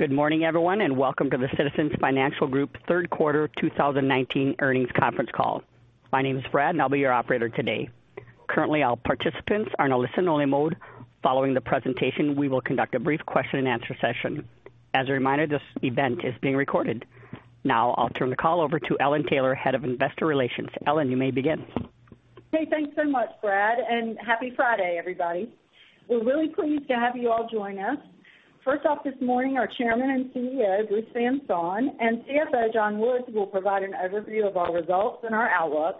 Good morning, everyone, and welcome to the Citizens Financial Group third quarter 2019 earnings conference call. My name is Brad, and I'll be your operator today. Currently, all participants are in a listen-only mode. Following the presentation, we will conduct a brief question-and-answer session. As a reminder, this event is being recorded. Now, I'll turn the call over to Ellen Taylor, Head of Investor Relations. Ellen, you may begin. Hey, thanks so much, Brad. Happy Friday, everybody. We're really pleased to have you all join us. First off this morning, our Chairman and CEO, Bruce Van Saun, and CFO, John Woods, will provide an overview of our results and our outlook.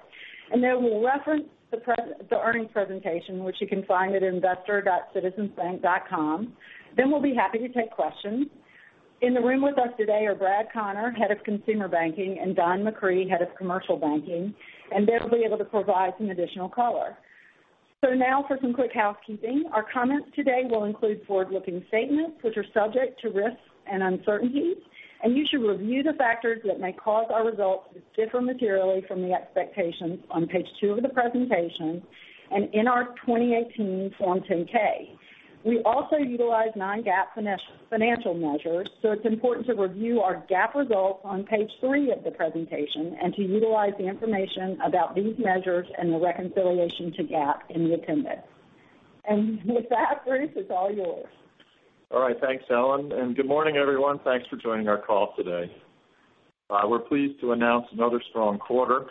They will reference the earnings presentation, which you can find at investor.citizensbank.com. We'll be happy to take questions. In the room with us today are Brad Conner, Head of Consumer Banking, and Don McCree, Head of Commercial Banking, and they'll be able to provide some additional color. Now for some quick housekeeping. Our comments today will include forward-looking statements, which are subject to risks and uncertainties, and you should review the factors that may cause our results to differ materially from the expectations on page two of the presentation and in our 2018 Form 10-K. We also utilize non-GAAP financial measures, so it's important to review our GAAP results on page three of the presentation and to utilize the information about these measures and the reconciliation to GAAP in the appendix. With that, Bruce, it's all yours. All right. Thanks, Ellen. Good morning, everyone. Thanks for joining our call today. We're pleased to announce another strong quarter.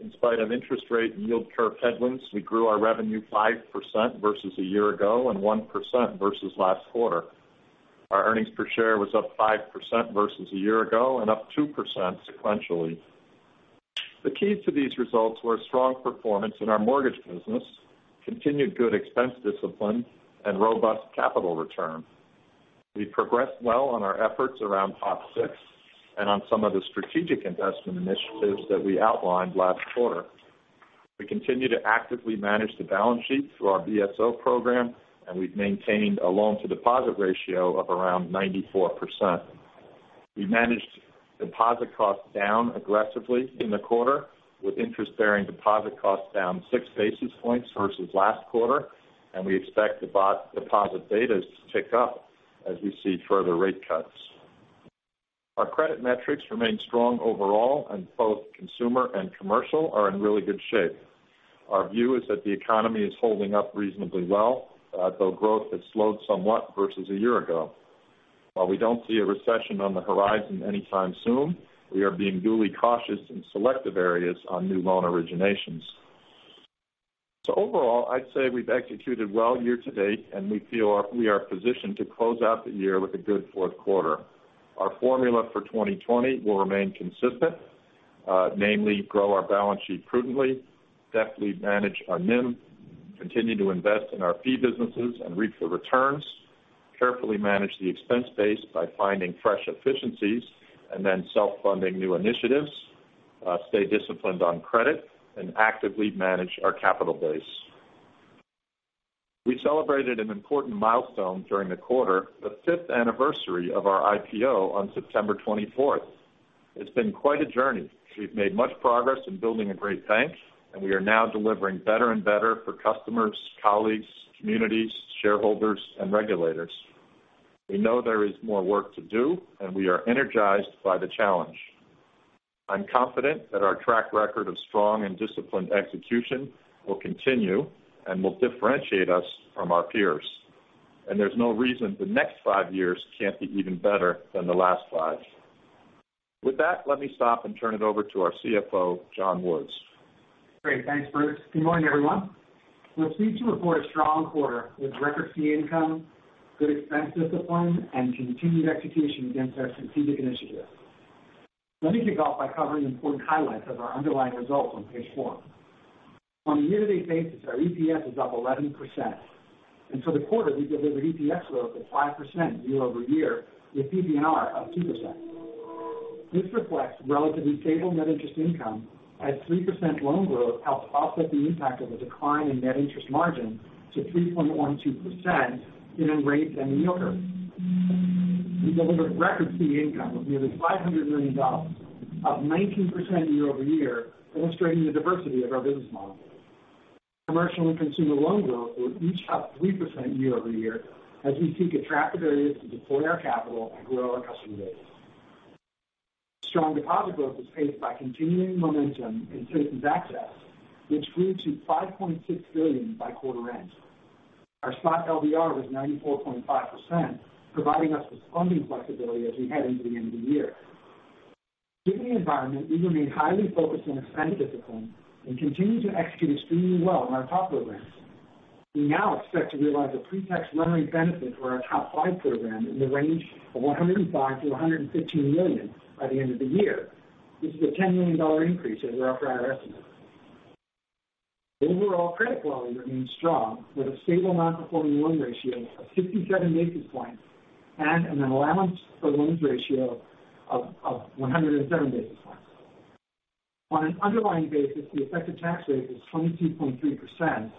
In spite of interest rate and yield curve headwinds, we grew our revenue 5% versus a year ago and 1% versus last quarter. Our earnings per share was up 5% versus a year ago and up 2% sequentially. The key to these results were strong performance in our mortgage business, continued good expense discipline, and robust capital return. We progressed well on our efforts around TOP 6 and on some of the strategic investment initiatives that we outlined last quarter. We continue to actively manage the balance sheet through our BSO program, and we've maintained a loan-to-deposit ratio of around 94%. We managed deposit costs down aggressively in the quarter, with interest-bearing deposit costs down six basis points versus last quarter. We expect deposit betas to tick up as we see further rate cuts. Our credit metrics remain strong overall. Both consumer and commercial are in really good shape. Our view is that the economy is holding up reasonably well, though growth has slowed somewhat versus a year ago. While we don't see a recession on the horizon anytime soon, we are being duly cautious in selective areas on new loan originations. Overall, I'd say we've executed well year to date. We feel we are positioned to close out the year with a good fourth quarter. Our formula for 2020 will remain consistent. Namely, grow our balance sheet prudently, deftly manage our NIM, continue to invest in our fee businesses and reap the returns, carefully manage the expense base by finding fresh efficiencies, and then self-funding new initiatives, stay disciplined on credit, and actively manage our capital base. We celebrated an important milestone during the quarter, the fifth anniversary of our IPO on September 24th. It's been quite a journey. We've made much progress in building a great bank, and we are now delivering better and better for customers, colleagues, communities, shareholders, and regulators. We know there is more work to do, and we are energized by the challenge. I'm confident that our track record of strong and disciplined execution will continue and will differentiate us from our peers. There's no reason the next five years can't be even better than the last five. With that, let me stop and turn it over to our CFO, John Woods. Great. Thanks, Bruce. Good morning, everyone. We're pleased to report a strong quarter with record fee income, good expense discipline, and continued execution against our strategic initiatives. Let me kick off by covering important highlights of our underlying results on page four. On a year-to-date basis, our EPS is up 11%, and for the quarter, we delivered EPS growth of 5% year-over-year with PPNR of 2%. This reflects relatively stable net interest income as 3% loan growth helped offset the impact of a decline in net interest margin to 3.12% given rates and the yield curve. We delivered record fee income of nearly $500 million, up 19% year-over-year, illustrating the diversity of our business model. Commercial and consumer loan growth were each up 3% year-over-year as we seek attractive areas to deploy our capital and grow our customer base. Strong deposit growth was paced by continuing momentum in Citizens Access, which grew to $5.6 billion by quarter end. Our spot LDR was 94.5%, providing us with funding flexibility as we head into the end of the year. Given the environment, we remain highly focused on expense discipline and continue to execute extremely well on our TOP programs. We now expect to realize a pre-tax leverage benefit for our TOP 5 program in the range of $105 million-$115 million by the end of the year. This is a $10 million increase over our prior estimate. Overall credit quality remains strong with a stable non-performing loan ratio of 57 basis points and an allowance for loans ratio of 107 basis points. On an underlying basis, the effective tax rate was 22.3%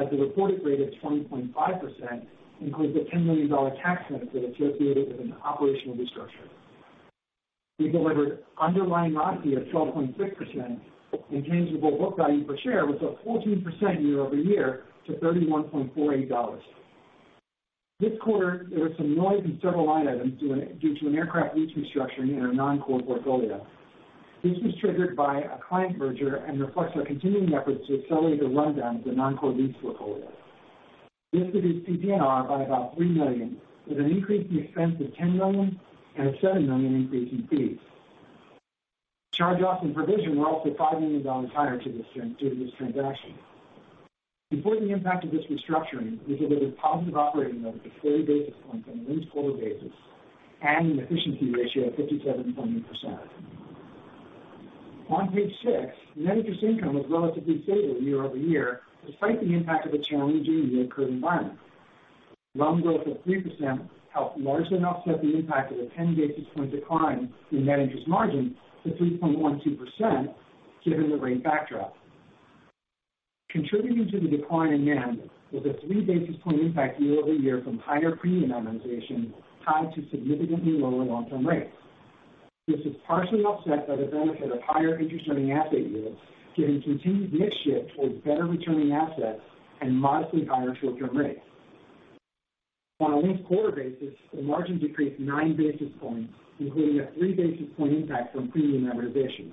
as the reported rate of 20.5% includes a $10 million tax benefit associated with an operational restructure. We delivered underlying ROAA of 12.6%, and tangible book value per share was up 14% year-over-year to $31.48. This quarter, there was some noise in several line items due to an aircraft lease restructuring in our non-core portfolio. This was triggered by a client merger and reflects our continuing efforts to accelerate the rundown of the non-core lease portfolio. This reduced PPNR by about $3 million, with an increase in expense of $10 million and a $7 million increase in fees. Charge-offs and provision were also $5 million higher due to this transaction. The important impact of this restructuring is that it is positive operating leverage of 30 basis points on a linked-quarter basis and an efficiency ratio of 57.8%. On page six, net interest income was relatively stable year-over-year despite the impact of a challenging reoccurring environment. Loan growth of 3% helped largely offset the impact of a 10 basis point decline in net interest margin to 3.12% given the rate backdrop. Contributing to the decline in NIM was a three basis point impact year-over-year from higher premium amortization tied to significantly lower long-term rates. This is partially offset by the benefit of higher interest earning asset yields given continued mix shift towards better returning assets and modestly higher short-term rates. On a linked quarter basis, the margins decreased nine basis points, including a three basis point impact from premium amortization.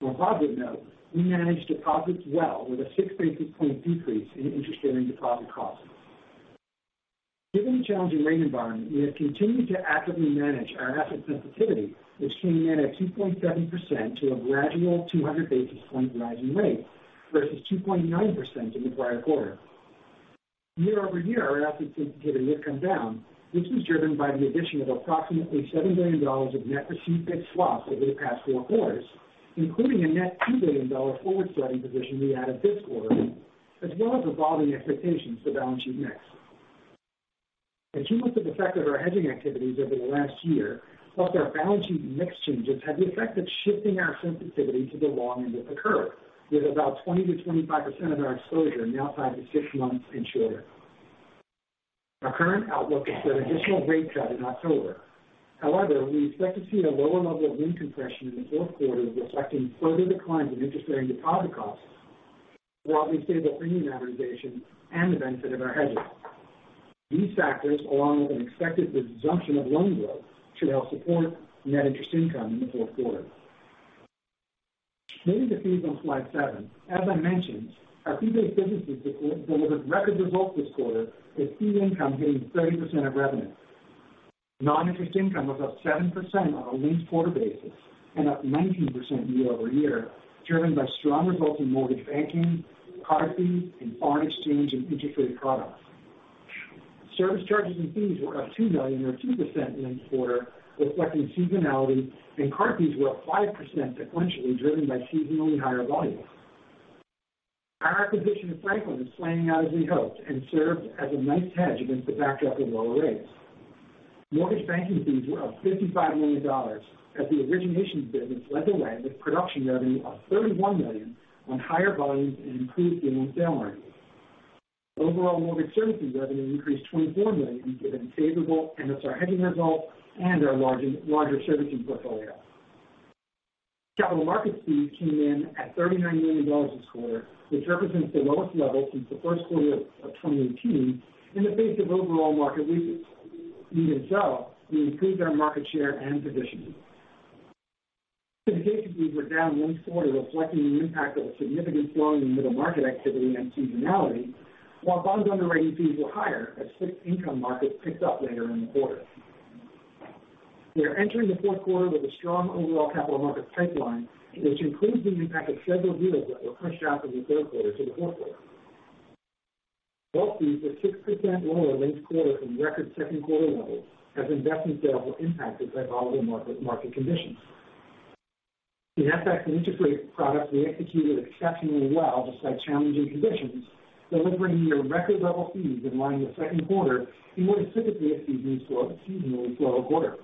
On a positive note, we managed deposits well with a six basis point decrease in interest earning deposit costs. Given the challenging rate environment, we have continued to actively manage our asset sensitivity, which came in at 2.7% to a gradual 200 basis point rising rate versus 2.9% in the prior quarter. year-over-year, our asset sensitivity has come down, which was driven by the addition of approximately $7 billion of net received fixed swaps over the past four quarters, including a net $2 billion forward starting position we added this quarter, as well as evolving expectations for balance sheet mix. In two months of effect of our hedging activities over the last year, plus our balance sheet mix changes have the effect of shifting our sensitivity to the long end of the curve, with about 20%-25% of our exposure now five to six months and shorter. Our current outlook is for an additional rate cut in October. However, we expect to see a lower level of yield compression in the fourth quarter reflecting further declines in interest earning deposit costs while we stable premium amortization and the benefit of our hedges. These factors, along with an expected resumption of loan growth, should help support net interest income in the fourth quarter. Moving to fees on slide seven. As I mentioned, our fee-based businesses delivered record results this quarter, with fee income hitting 30% of revenue. Non-interest income was up 7% on a linked-quarter basis and up 19% year-over-year, driven by strong results in mortgage banking, card fees, and foreign exchange and integrated products. Service charges and fees were up $2 million or 2% linked-quarter, reflecting seasonality, and card fees were up 5% sequentially, driven by seasonally higher volume. Our acquisition of Franklin is playing out as we hoped and served as a nice hedge against the backdrop of lower rates. Mortgage banking fees were up $55 million as the originations business led the way with production revenue of $31 million on higher volumes and improved deal sale margins. Overall mortgage servicing revenue increased $24 million given favorable MSR hedging results and our larger servicing portfolio. Capital markets fees came in at $39 million this quarter, which represents the lowest level since the first quarter of 2018 in the face of overall market weakness. We increased our market share and positioning. Syndication fees were down linked quarter, reflecting the impact of a significant slowing in middle market activity and seasonality, while bonds underwriting fees were higher as fixed income markets picked up later in the quarter. We are entering the fourth quarter with a strong overall capital markets pipeline, which includes the impact of several deals that were pushed out of the third quarter to the fourth quarter. Wealth fees were 6% lower linked quarter from record second quarter levels as investment sales were impacted by volatile market conditions. In FX and integrated products, we executed exceptionally well despite challenging conditions, delivering near record level fees in line with the second quarter in what is typically a seasonally slower quarter.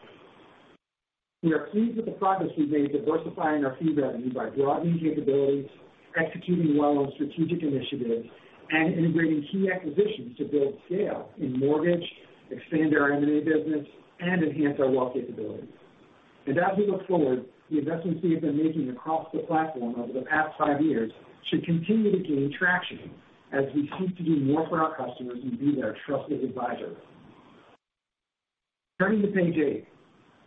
We are pleased with the progress we've made diversifying our fee revenue by broadening capabilities, executing well on strategic initiatives, and integrating key acquisitions to build scale in mortgage, expand our M&A business, and enhance our wealth capabilities. As we look forward, the investments we have been making across the platform over the past five years should continue to gain traction as we seek to do more for our customers and be their trusted advisor. Turning to page eight.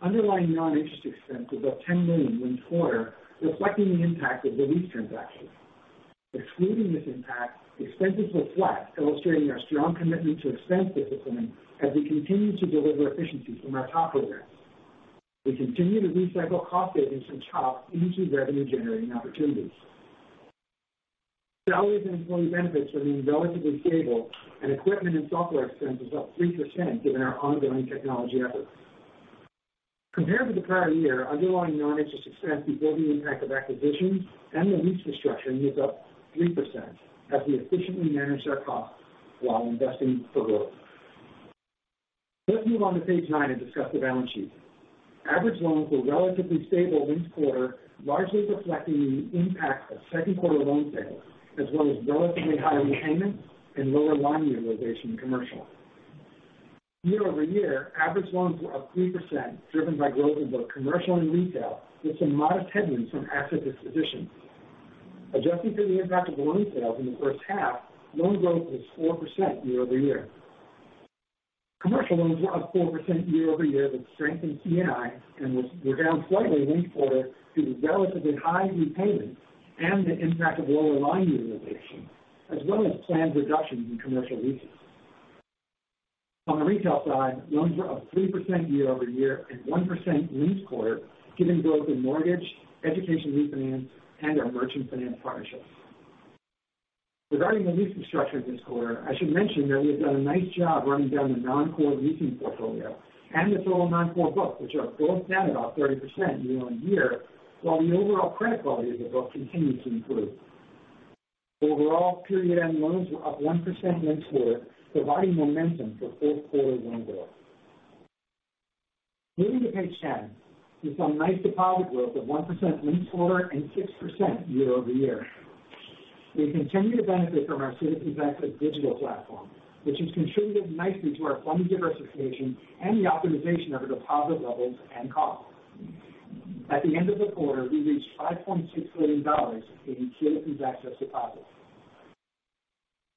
Underlying non-interest expense was up $10 million linked quarter, reflecting the impact of the lease transaction. Excluding this impact, expenses were flat, illustrating our strong commitment to expense discipline as we continue to deliver efficiencies from our TOP program. We continue to recycle cost savings from TOP into revenue generating opportunities. Salaries and employee benefits remain relatively stable and equipment and software expense was up 3% given our ongoing technology efforts. Compared to the prior year, underlying non-interest expense before the impact of acquisitions and the lease restructuring was up 3% as we efficiently managed our costs while investing for growth. Let's move on to page nine and discuss the balance sheet. Average loans were relatively stable linked-quarter, largely reflecting the impact of second quarter loan sales, as well as relatively higher repayments and lower loan utilization in commercial. Year-over-year, average loans were up 3%, driven by growth in both commercial and retail, with some modest headwinds from asset dispositions. Adjusted for the impact of the loan sales in the first half, loan growth was 4% year-over-year. Commercial loans were up 4% year-over-year with strength in C&I and were down slightly linked-quarter due to relatively high repayments and the impact of lower line utilization, as well as planned reductions in commercial leases. On the retail side, loans were up 3% year-over-year and 1% linked-quarter, driven both in mortgage, education refinance, and our merchant finance partnerships. Regarding the lease restructuring this quarter, I should mention that we have done a nice job running down the non-core leasing portfolio and the total non-core book, which are both down about 30% year-over-year, while the overall credit quality of the book continues to improve. Overall period end loans were up 1% linked quarter, providing momentum for fourth quarter loan growth. Moving to page 10, we saw nice deposit growth of 1% linked quarter and 6% year-over-year. We continue to benefit from our Citizens Access digital platform, which has contributed nicely to our funding diversification and the optimization of our deposit levels and costs. At the end of the quarter, we reached $5.6 billion in Citizens Access deposits.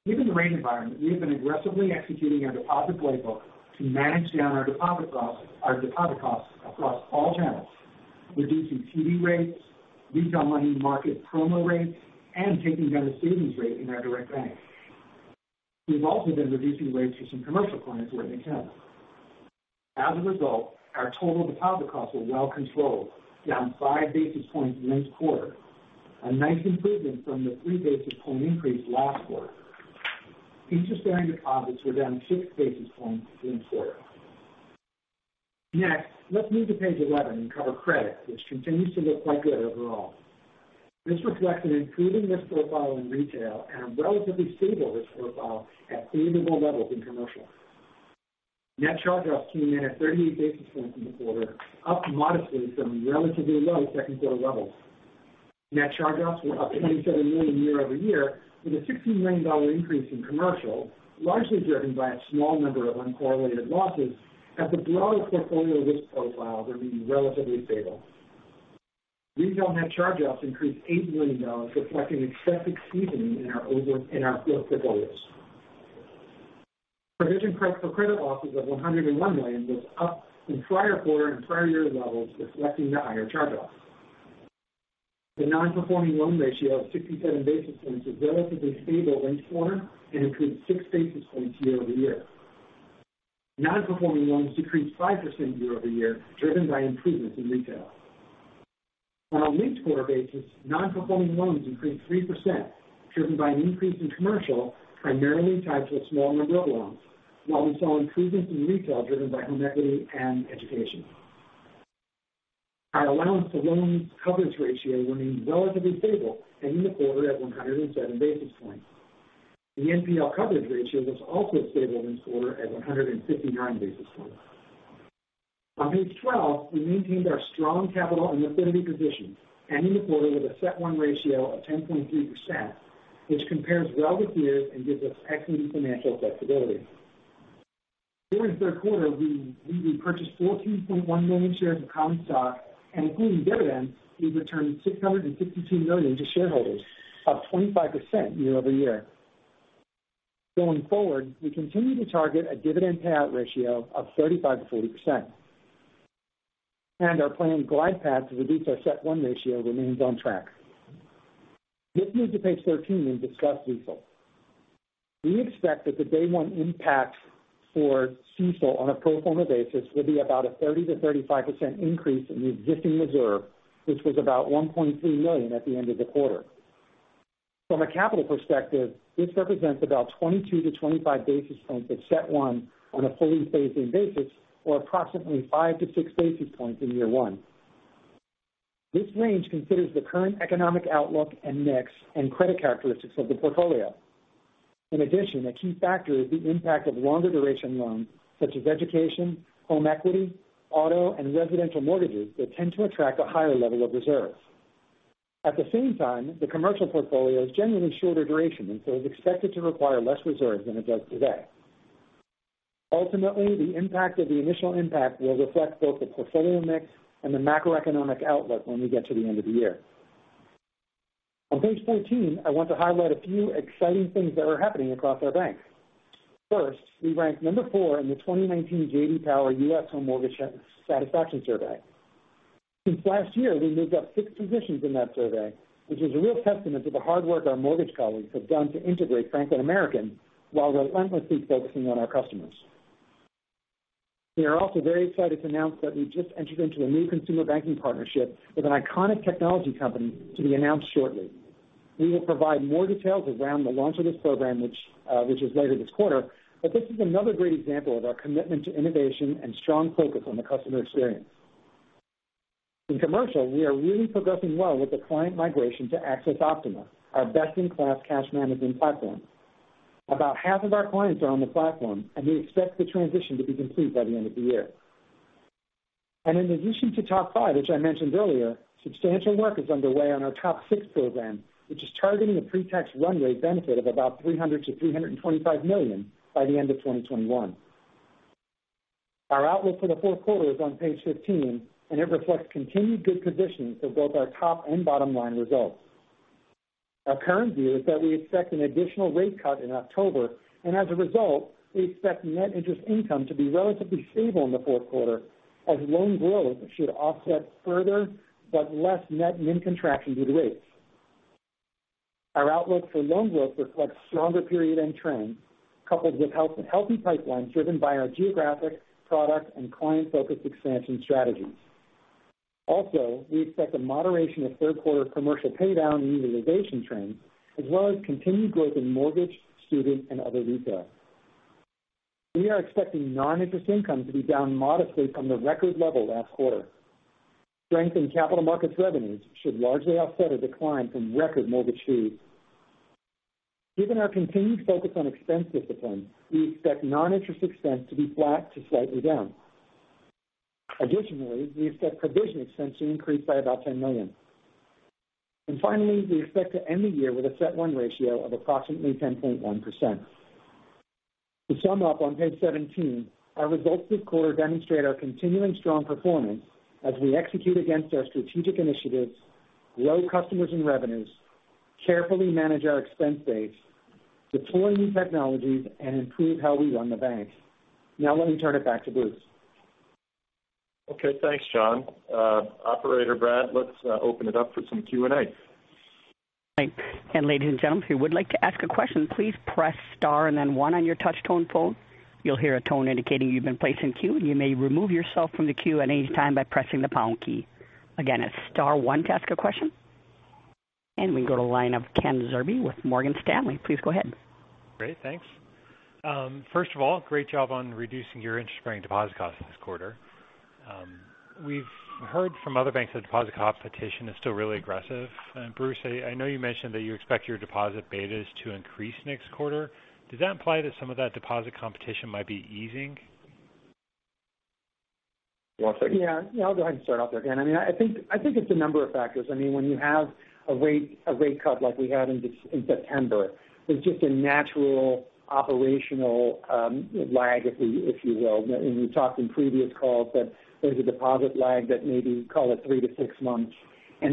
Given the rate environment, we have been aggressively executing our deposit playbook to manage down our deposit costs across all channels, reducing CD rates, retail money market promo rates, and taking down the savings rate in our direct bank. We've also been reducing rates for some commercial clients where they can. As a result, our total deposit costs were well controlled, down five basis points linked quarter. A nice improvement from the three basis point increase last quarter. Interest bearing deposits were down six basis points linked quarter. Next, let's move to page 11 and cover credit, which continues to look quite good overall. This reflects an improving risk profile in retail and a relatively stable risk profile at favorable levels in commercial. Net charge-offs came in at 38 basis points in the quarter, up modestly from relatively low second quarter levels. Net charge-offs were up $27 million year-over-year, with a $16 million increase in commercial, largely driven by a small number of uncorrelated losses as the broader portfolio risk profile remains relatively stable. Retail net charge-offs increased $8 million, reflecting excessive seasoning in our growth portfolios. Provision credit for credit losses of $101 million was up from prior quarter and prior year levels, reflecting the higher charge-offs. The non-performing loan ratio of 67 basis points was relatively stable linked quarter and improved six basis points year-over-year. Non-performing loans decreased 5% year-over-year, driven by improvements in retail. On a linked quarter basis, non-performing loans increased 3%, driven by an increase in commercial primarily tied to a small number of loans, while we saw improvements in retail driven by home equity and education. Our allowance to loans coverage ratio remained relatively stable, ending the quarter at 107 basis points. The NPL coverage ratio was also stable linked quarter at 159 basis points. On page 12, we maintained our strong capital and liquidity position, ending the quarter with a CET1 ratio of 10.3%, which compares well with peers and gives us excellent financial flexibility. Including dividends, we returned $652 million to shareholders, up 25% year-over-year. Going forward, we continue to target a dividend payout ratio of 35%-40%. Our planned glide path to reduce our CET1 ratio remains on track. Let's move to page 13 and discuss CECL. We expect that the day one impact for CECL on a pro forma basis will be about a 30%-35% increase in the existing reserve, which was about $1.3 million at the end of the quarter. From a capital perspective, this represents about 22-25 basis points of CET1 on a fully phased-in basis or approximately 5-6 basis points in year one. This range considers the current economic outlook and mix and credit characteristics of the portfolio. In addition, a key factor is the impact of longer duration loans such as education, home equity, auto, and residential mortgages that tend to attract a higher level of reserves. At the same time, the commercial portfolio is generally shorter duration and so is expected to require less reserves than it does today. Ultimately, the impact of the initial impact will reflect both the portfolio mix and the macroeconomic outlook when we get to the end of the year. On page 14, I want to highlight a few exciting things that are happening across our bank. First, we ranked number 4 in the 2019 J.D. Power U.S. Home Mortgage Satisfaction Survey. Since last year, we moved up six positions in that survey, which is a real testament to the hard work our mortgage colleagues have done to integrate Franklin American while relentlessly focusing on our customers. We are also very excited to announce that we just entered into a new consumer banking partnership with an iconic technology company to be announced shortly. We will provide more details around the launch of this program, which is later this quarter, this is another great example of our commitment to innovation and strong focus on the customer experience. In commercial, we are really progressing well with the client migration to accessOPTIMA, our best-in-class cash management platform. About half of our clients are on the platform. We expect the transition to be complete by the end of the year. In addition to TOP 5, as I mentioned earlier, substantial work is underway on our TOP 6 program, which is targeting a pre-tax runway benefit of about $300 million-$325 million by the end of 2021. Our outlook for the fourth quarter is on page 15. It reflects continued good positions for both our top and bottom-line results. Our current view is that we expect an additional rate cut in October. As a result, we expect net interest income to be relatively stable in the fourth quarter as loan growth should offset further, but less net NIM contraction due to rates. Our outlook for loan growth reflects stronger period end trends, coupled with healthy pipelines driven by our geographic, product, and client-focused expansion strategies. Also, we expect a moderation of third quarter commercial paydown and utilization trends, as well as continued growth in mortgage, student, and other retail. We are expecting non-interest income to be down modestly from the record level last quarter. Strength in capital markets revenues should largely offset a decline from record mortgage fees. Given our continued focus on expense discipline, we expect non-interest expense to be flat to slightly down. Additionally, we expect provision expense to increase by about $10 million. Finally, we expect to end the year with a CET1 ratio of approximately 10.1%. To sum up on page 17, our results this quarter demonstrate our continuing strong performance as we execute against our strategic initiatives, grow customers and revenues, carefully manage our expense base, deploy new technologies, and improve how we run the bank. Now, let me turn it back to Bruce. Okay. Thanks, John. Operator Brad, let's open it up for some Q&A. Thanks. Ladies and gentlemen, if you would like to ask a question, please press star and then one on your touch-tone phone. You'll hear a tone indicating you've been placed in queue, and you may remove yourself from the queue at any time by pressing the pound key. Again, it's star one to ask a question. We go to the line of Ken Zerbe with Morgan Stanley. Please go ahead. Great. Thanks. First of all, great job on reducing your interest-bearing deposit costs this quarter. We've heard from other banks that deposit competition is still really aggressive. Bruce, I know you mentioned that you expect your deposit betas to increase next quarter. Does that imply that some of that deposit competition might be easing? You want this one? Yeah. I'll go ahead and start off there, Ken. I think it's a number of factors. When you have a rate cut like we had in September, there's just a natural operational lag, if you will. We've talked in previous calls that there's a deposit lag that maybe, call it three to six months. As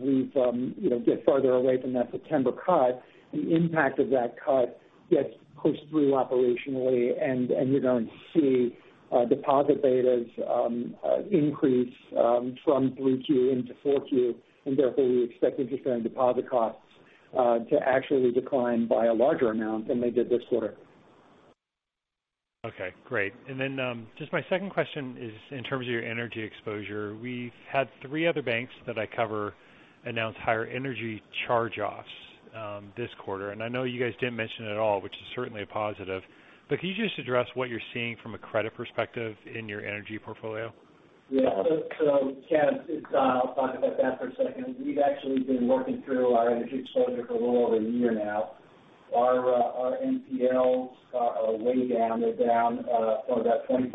we get farther away from that September cut, the impact of that cut gets pushed through operationally and you're going to see deposit betas increase from 3Q into 4Q, and therefore we expect interest-bearing deposit costs to actually decline by a larger amount than they did this quarter. Okay. Great. Then just my second question is in terms of your energy exposure. We've had three other banks that I cover announce higher energy charge-offs this quarter. I know you guys didn't mention it at all, which is certainly a positive, but can you just address what you're seeing from a credit perspective in your energy portfolio? Ken, I'll talk about that for a second. We've actually been working through our energy exposure for a little over a year now. Our NPLs are way down. They're down from about 25%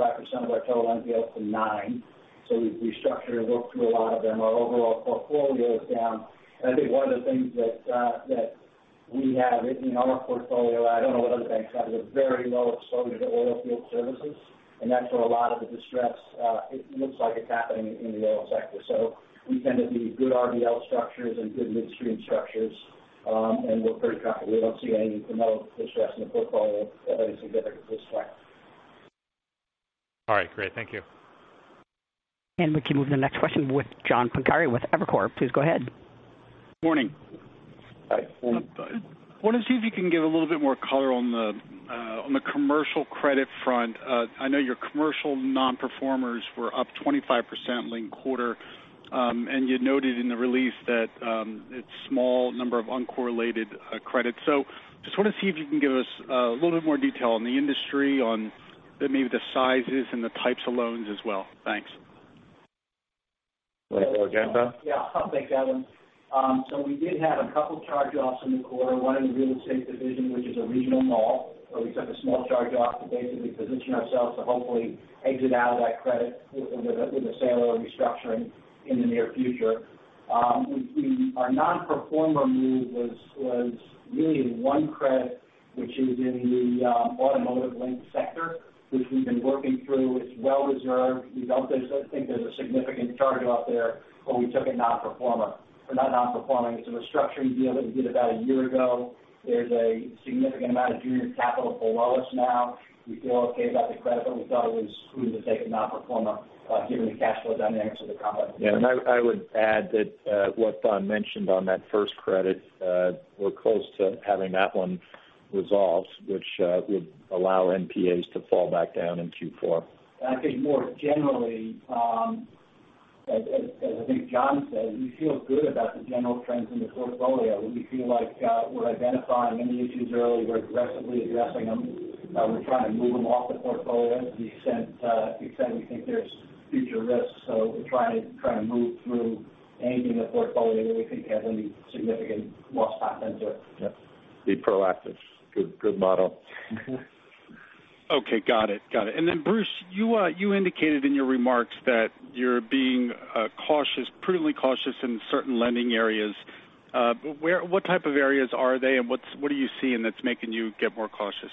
of our total NPL to nine. We've restructured and worked through a lot of them. Our overall portfolio is down. I think one of the things that we have in our portfolio, I don't know what other banks have, is very low exposure to oilfield services, and that's where a lot of the distress looks like it's happening in the oil sector. We tend to be good RBL structures and good midstream structures. We're very comfortable. We don't see any promote distress in the portfolio or anything significant at this time. All right. Great. Thank you. We can move to the next question with John Pancari with Evercore. Please go ahead. Morning. Hi, John. I want to see if you can give a little bit more color on the commercial credit front. I know your commercial non-performers were up 25% linked quarter. You noted in the release that it's small number of uncorrelated credits. Just want to see if you can give us a little bit more detail on the industry, on maybe the sizes and the types of loans as well. Thanks. Want to go again, Don? Yeah. Thanks, Van. We did have a couple charge-offs in the quarter, one in the real estate division, which is a regional mall, where we took a small charge-off to basically position ourselves to hopefully exit out of that credit with a sale or restructuring in the near future. Our Non-Performer move was really one credit, which is in the automotive linked sector, which we've been working through. It's well reserved. We don't think there's a significant charge-off there, but we took a Non-Performer or not non-performing. It's a restructuring deal that we did about a year ago. There's a significant amount of junior capital below us now. We feel okay about the credit, but we felt it was prudent to take a Non-Performer given the cash flow dynamics of the complex. Yeah. I would add that what Don mentioned on that first credit, we're close to having that one resolved, which would allow NPAs to fall back down in Q4. I think more generally, as I think John said, we feel good about the general trends in the portfolio. We feel like we're identifying any issues early. We're aggressively addressing them. We're trying to move them off the portfolio to the extent we think there's future risk. We're trying to move through anything in the portfolio that we think has any significant loss potential. Yeah. Be proactive. Good model. Okay, got it. Bruce, you indicated in your remarks that you're being prudently cautious in certain lending areas. What type of areas are they, and what are you seeing that's making you get more cautious?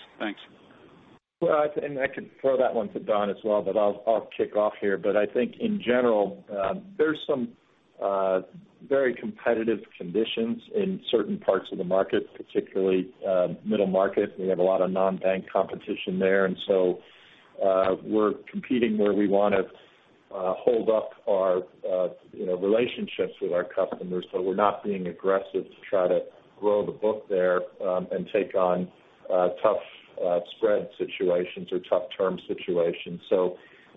Thanks. Well, I could throw that one to Don as well, I'll kick off here. I think in general, there's some very competitive conditions in certain parts of the market, particularly middle market. We have a lot of non-bank competition there, and so we're competing where we want to hold up our relationships with our customers. We're not being aggressive to try to grow the book there and take on tough spread situations or tough term situations.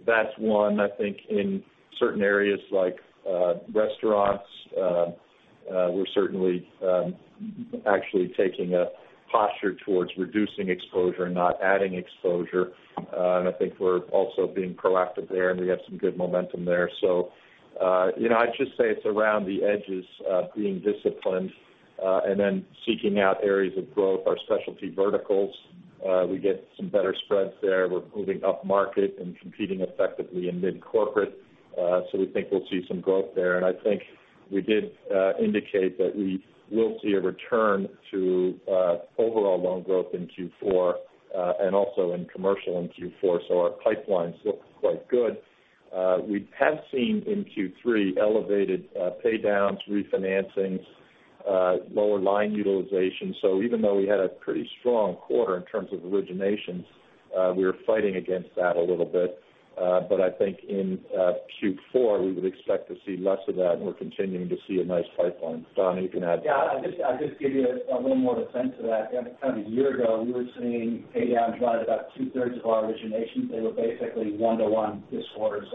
That's one. I think in certain areas like restaurants, we're certainly actually taking a posture towards reducing exposure, not adding exposure. I think we're also being proactive there, and we have some good momentum there. I'd just say it's around the edges of being disciplined, and then seeking out areas of growth, our specialty verticals. We get some better spreads there. We're moving up market and competing effectively in mid-corporate. We think we'll see some growth there. I think we did indicate that we will see a return to overall loan growth in Q4, and also in commercial in Q4. Our pipelines look quite good. We have seen in Q3 elevated pay-downs, refinancings, lower line utilization. Even though we had a pretty strong quarter in terms of originations, we were fighting against that a little bit. I think in Q4, we would expect to see less of that, and we're continuing to see a nice pipeline. Don, you can add to that. Yeah, I'd just give you a little more defense of that. Kind of a year ago, we were seeing pay-downs drive about two-thirds of our originations. They were basically one to one this quarter.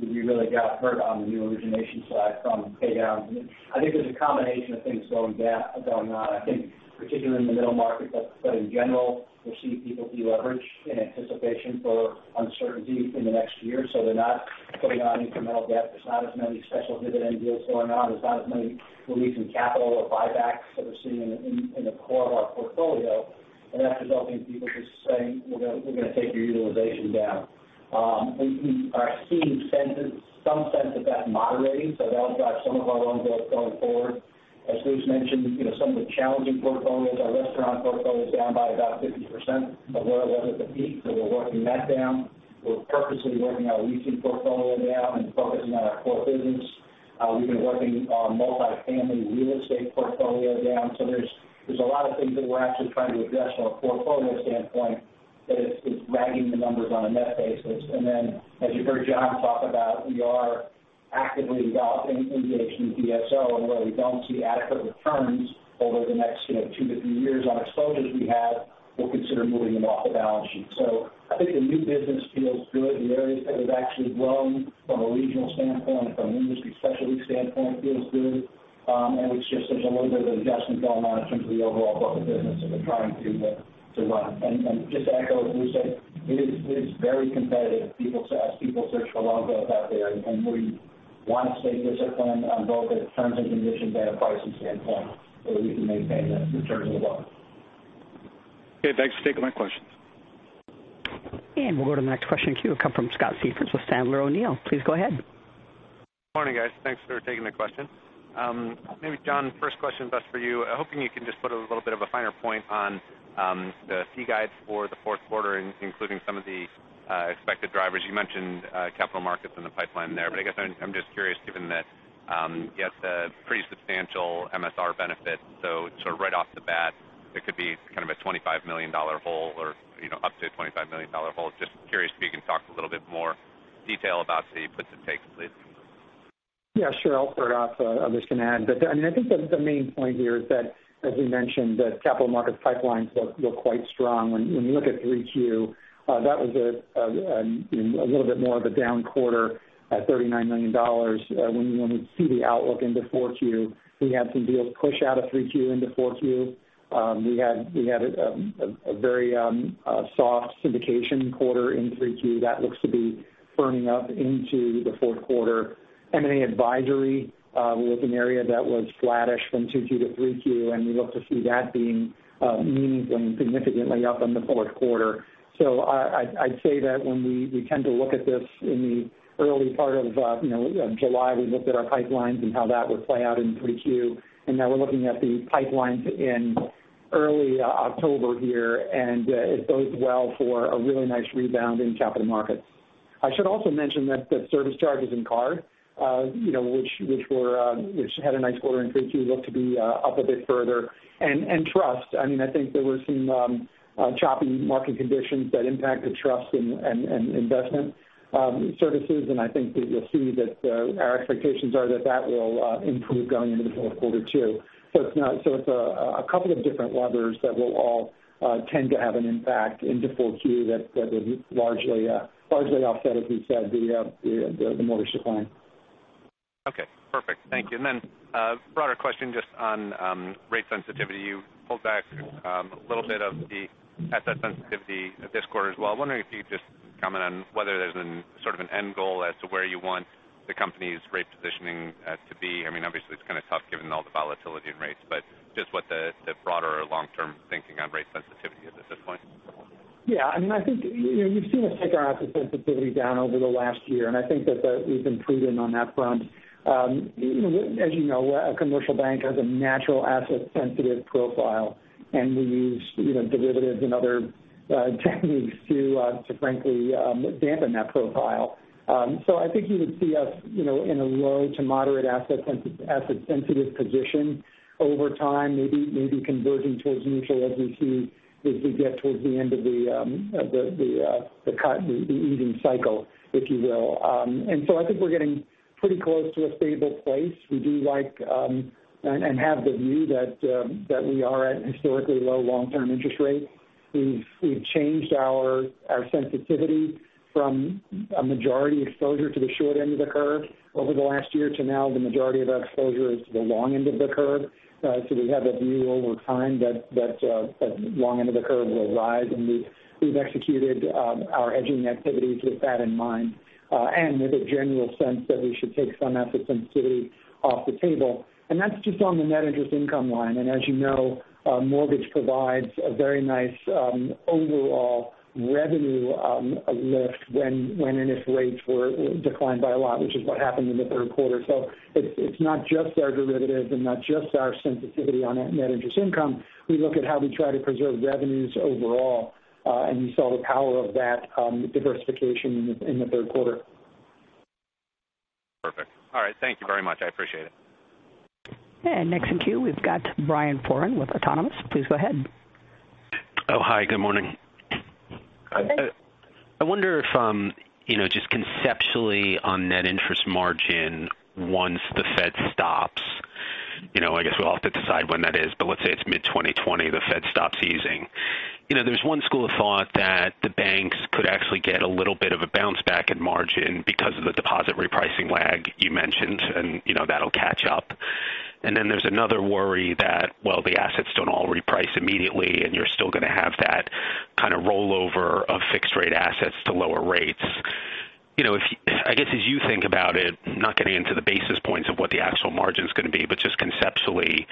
We really got hurt on the new origination side from pay-downs. I think there's a combination of things going on. I think particularly in the middle market, but in general, we're seeing people deleverage in anticipation for uncertainty in the next year. They're not putting on incremental debt. There's not as many special dividend deals going on. There's not as many releasing capital or buybacks that we're seeing in the core of our portfolio. That's resulting in people just saying, "We're going to take your utilization down." We are seeing some sense of that moderating. That'll drive some of our loan growth going forward. As Bruce mentioned, some of the challenging portfolios, our restaurant portfolio is down by about 50% of where it was at the peak. We're working that down. We're purposely working our leasing portfolio down and focusing on our core business. We've been working on multi-family real estate portfolio down. There's a lot of things that we're actually trying to address from a portfolio standpoint that is dragging the numbers on a net basis. As you heard John talk about, we are actively involved and engaged in DSO, and where we don't see adequate returns over the next two to three years on exposures we have, we'll consider moving them off the balance sheet. I think the new business feels good. The areas that we've actually grown from a regional standpoint, from an industry specialty standpoint feels good. It's just there's a little bit of adjustment going on in terms of the overall book of business that we're trying to run. Just to echo what Bruce said, it is very competitive as people search for loan growth out there, and we want to stay disciplined on both a terms and conditions and a pricing standpoint, so that we can maintain the returns as well. Okay, thanks. Taking my questions. We'll go to the next question in queue. Come from Scott Siefers with Sandler O'Neill. Please go ahead. Morning, guys. Thanks for taking the question. John, first question best for you. Hoping you can just put a little bit of a finer point on the C guides for the fourth quarter, including some of the expected drivers. You mentioned capital markets and the pipeline there. I guess I'm just curious given that you got the pretty substantial MSR benefit, so sort of right off the bat, it could be kind of a $25 million hole or up to a $25 million hole. Just curious if you can talk a little bit more detail about the puts and takes, please. Sure. I'll start off, others can add. I think the main point here is that, as we mentioned, the capital markets pipelines look quite strong. When you look at 3Q, that was a little bit more of a down quarter at $39 million. When we see the outlook into 4Q, we had some deals push out of 3Q into 4Q. We had a very soft syndication quarter in 3Q that looks to be firming up into the fourth quarter. M&A advisory was an area that was flattish from 2Q to 3Q. We look to see that being meaningful and significantly up in the fourth quarter. I'd say that when we tend to look at this in the early part of July, we looked at our pipelines and how that would play out in 3Q, and now we're looking at the pipelines in early October here, and it bodes well for a really nice rebound in capital markets. I should also mention that the service charges in CARD which had a nice quarter in 3Q, look to be up a bit further. Trust. I think there were some choppy market conditions that impacted trust and investment services, and I think that you'll see that our expectations are that that will improve going into the fourth quarter, too. It's a couple of different levers that will all tend to have an impact into 4Q that would largely offset, as we've said, the mortgage decline. Okay, perfect. Thank you. A broader question just on rate sensitivity. You pulled back a little bit of the asset sensitivity this quarter as well. I'm wondering if you could just comment on whether there's sort of an end goal as to where you want the company's rate positioning to be. Obviously, it's kind of tough given all the volatility in rates, but just what the broader long-term thinking on rate sensitivity is at this point. I think you've seen us take our asset sensitivity down over the last year. I think that we've improved on that front. As you know, a commercial bank has a natural asset sensitive profile. We use derivatives and other techniques to frankly dampen that profile. I think you would see us in a low to moderate asset sensitive position over time, maybe converging towards neutral as we get towards the end of the cut, the easing cycle, if you will. I think we're getting pretty close to a stable place. We do like and have the view that we are at historically low long-term interest rates. We've changed our sensitivity from a majority exposure to the short end of the curve over the last year to now the majority of our exposure is to the long end of the curve. We have that view over time that long end of the curve will rise, and we've executed our hedging activities with that in mind, and with a general sense that we should take some asset sensitivity off the table. That's just on the net interest income line. As you know, mortgage provides a very nice overall revenue lift when and if rates were declined by a lot, which is what happened in the third quarter. It's not just our derivatives and not just our sensitivity on net interest income. We look at how we try to preserve revenues overall, and you saw the power of that diversification in the third quarter. Perfect. All right. Thank you very much. I appreciate it. Next in queue, we've got Brian Foran with Autonomous. Please go ahead. Oh, hi. Good morning. Go ahead. I wonder if, just conceptually on net interest margin, once the Fed stops, I guess we'll have to decide when that is, but let's say it's mid-2020, the Fed stops easing. There's one school of thought that the banks could actually get a little bit of a bounce back in margin because of the deposit repricing lag you mentioned, and that'll catch up. There's another worry that while the assets don't all reprice immediately, and you're still going to have that kind of rollover of fixed rate assets to lower rates. As you think about it, not getting into the basis points of what the actual margin's going to be, but just conceptually,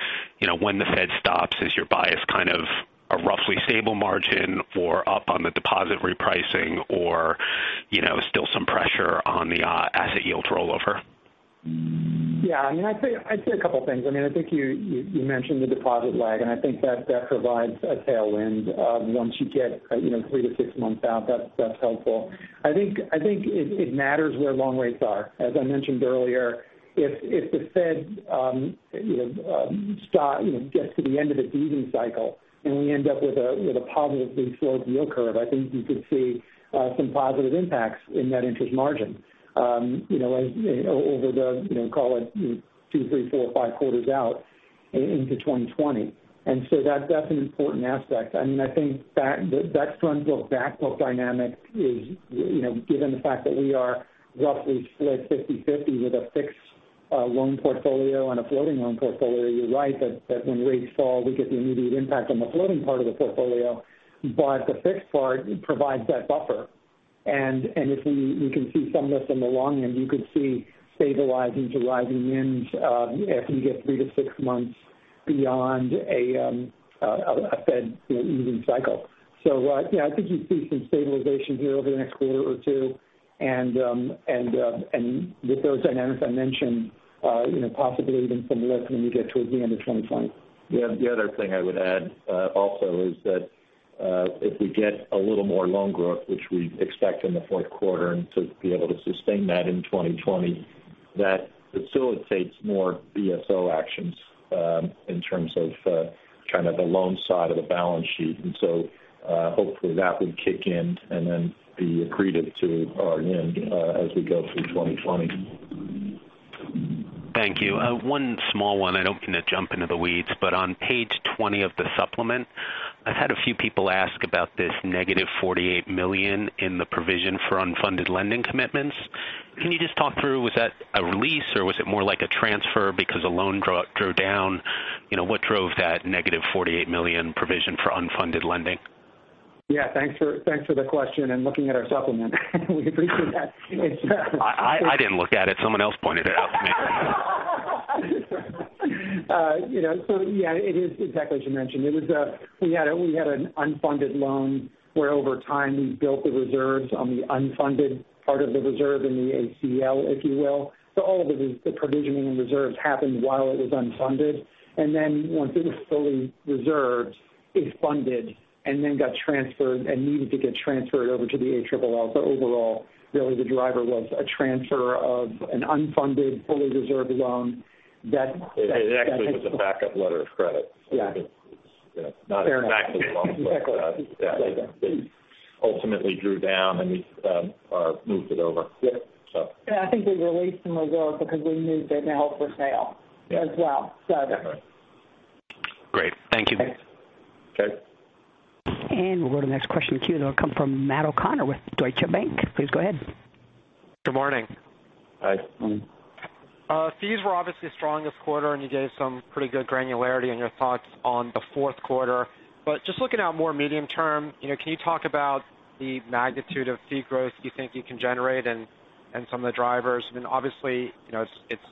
when the Fed stops, is your bias kind of a roughly stable margin or up on the deposit repricing or still some pressure on the asset yield rollover? Yeah. I'd say a couple of things. I think you mentioned the deposit lag, and I think that provides a tailwind. Once you get 3 to 6 months out, that's helpful. I think it matters where long rates are. As I mentioned earlier, if the Fed gets to the end of its easing cycle and we end up with a positively sloped yield curve, I think you could see some positive impacts in net interest margin over the, call it 2, 3, 4, 5 quarters out into 2020. That's an important aspect. I think that front book, back book dynamic is, given the fact that we are roughly split 50/50 with a fixed loan portfolio and a floating loan portfolio. You're right that when rates fall, we get the immediate impact on the floating part of the portfolio, but the fixed part provides that buffer. If we can see some lift on the long end, you could see stabilizing to rising NIMS after you get three to six months beyond a Fed easing cycle. Yeah, I think you see some stabilization here over the next quarter or two, and with those dynamics I mentioned, possibly even some lift when we get towards the end of 2025. The other thing I would add also is that if we get a little more loan growth, which we expect in the fourth quarter, and to be able to sustain that in 2020, that facilitates more BSO actions in terms of kind of the loan side of the balance sheet. Hopefully that will kick in and then be accretive to our NIM as we go through 2020. Thank you. One small one. I don't mean to jump into the weeds, but on page 20 of the supplement, I've had a few people ask about this negative $48 million in the provision for unfunded lending commitments. Can you just talk through, was that a release or was it more like a transfer because a loan drew down? What drove that negative $48 million provision for unfunded lending? Yeah, thanks for the question and looking at our supplement. We appreciate that. I didn't look at it. Someone else pointed it out to me. Yeah, it is exactly as you mentioned. We had an unfunded loan where over time we built the reserves on the unfunded part of the reserve in the ACL, if you will. All of the provisioning and reserves happened while it was unfunded, and then once it was fully reserved, it funded and then got transferred and needed to get transferred over to the ALL. Overall, really the driver was a transfer of an unfunded, fully reserved loan. It actually was a backup letter of credit. Yeah. It's not exactly a loan. Fair enough. That ultimately drew down, and we moved it over. Yeah. So. I think we released some reserves because we moved it to held for sale as well. Right. Great. Thank you. Okay. We'll go to the next question in the queue. It'll come from Matthew O'Connor with Deutsche Bank. Please go ahead. Good morning. Hi. Fees were obviously strong this quarter, and you gave some pretty good granularity in your thoughts on the fourth quarter. Just looking out more medium term, can you talk about the magnitude of fee growth you think you can generate and some of the drivers? Obviously, it's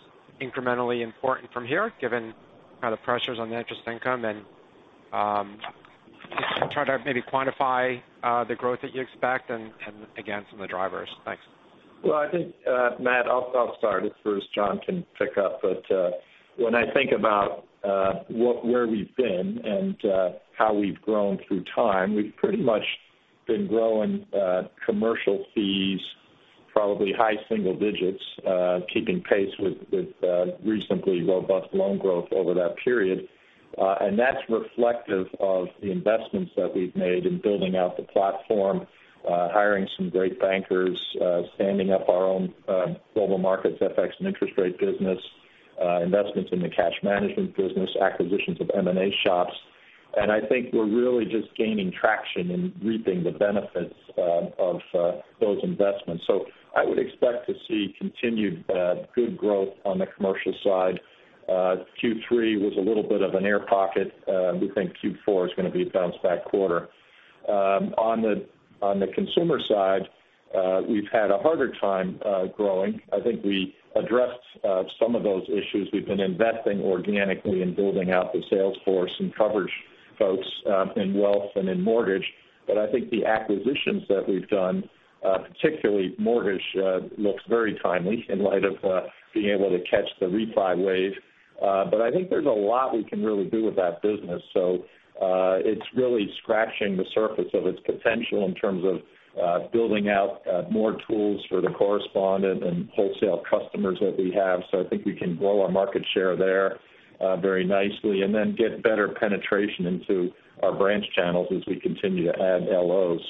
incrementally important from here, given the pressures on net interest income. Just try to maybe quantify the growth that you expect and again, some of the drivers. Thanks. Well, I think, Matt, I'll start it first. John can pick up. When I think about where we've been and how we've grown through time, we've pretty much been growing commercial fees, probably high single digits, keeping pace with reasonably robust loan growth over that period. That's reflective of the investments that we've made in building out the platform, hiring some great bankers, standing up our own global markets FX and interest rate business, investments in the cash management business, acquisitions of M&A shops. I think we're really just gaining traction and reaping the benefits of those investments. I would expect to see continued good growth on the commercial side. Q3 was a little bit of an air pocket. We think Q4 is going to be a bounce back quarter. On the consumer side, we've had a harder time growing. I think we addressed some of those issues. We've been investing organically in building out the sales force and coverage folks in wealth and in mortgage. I think the acquisitions that we've done, particularly mortgage, looks very timely in light of being able to catch the refi wave. I think there's a lot we can really do with that business. It's really scratching the surface of its potential in terms of building out more tools for the correspondent and wholesale customers that we have. I think we can grow our market share there very nicely and then get better penetration into our branch channels as we continue to add LOs.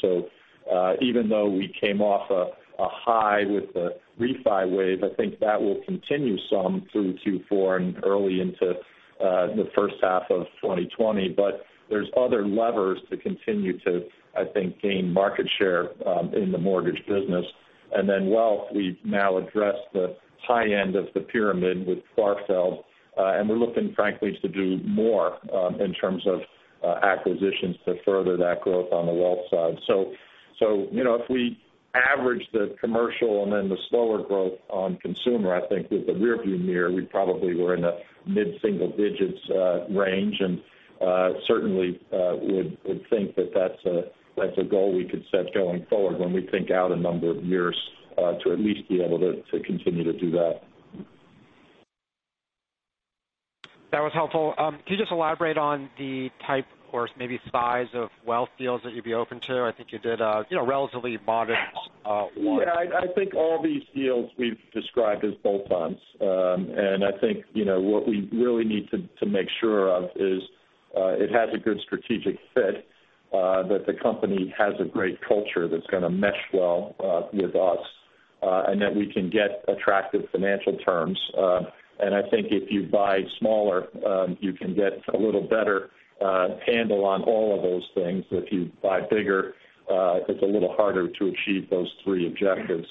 Even though we came off a high with the refi wave, I think that will continue some through Q4 and early into the first half of 2020. There's other levers to continue to, I think, gain market share in the mortgage business. Then wealth, we've now addressed the high end of the pyramid with Clarfeld, and we're looking, frankly, to do more in terms of acquisitions to further that growth on the wealth side. If we average the commercial and then the slower growth on consumer, I think with the rearview mirror, we probably were in a mid-single digits range and certainly would think that that's a goal we could set going forward when we think out a number of years to at least be able to continue to do that. That was helpful. Could you just elaborate on the type or maybe size of wealth deals that you'd be open to? I think you did a relatively modest one. Yeah, I think all these deals we've described as bolt-ons. I think what we really need to make sure of is it has a good strategic fit that the company has a great culture that's going to mesh well with us, and that we can get attractive financial terms. I think if you buy smaller, you can get a little better handle on all of those things. If you buy bigger, it's a little harder to achieve those three objectives.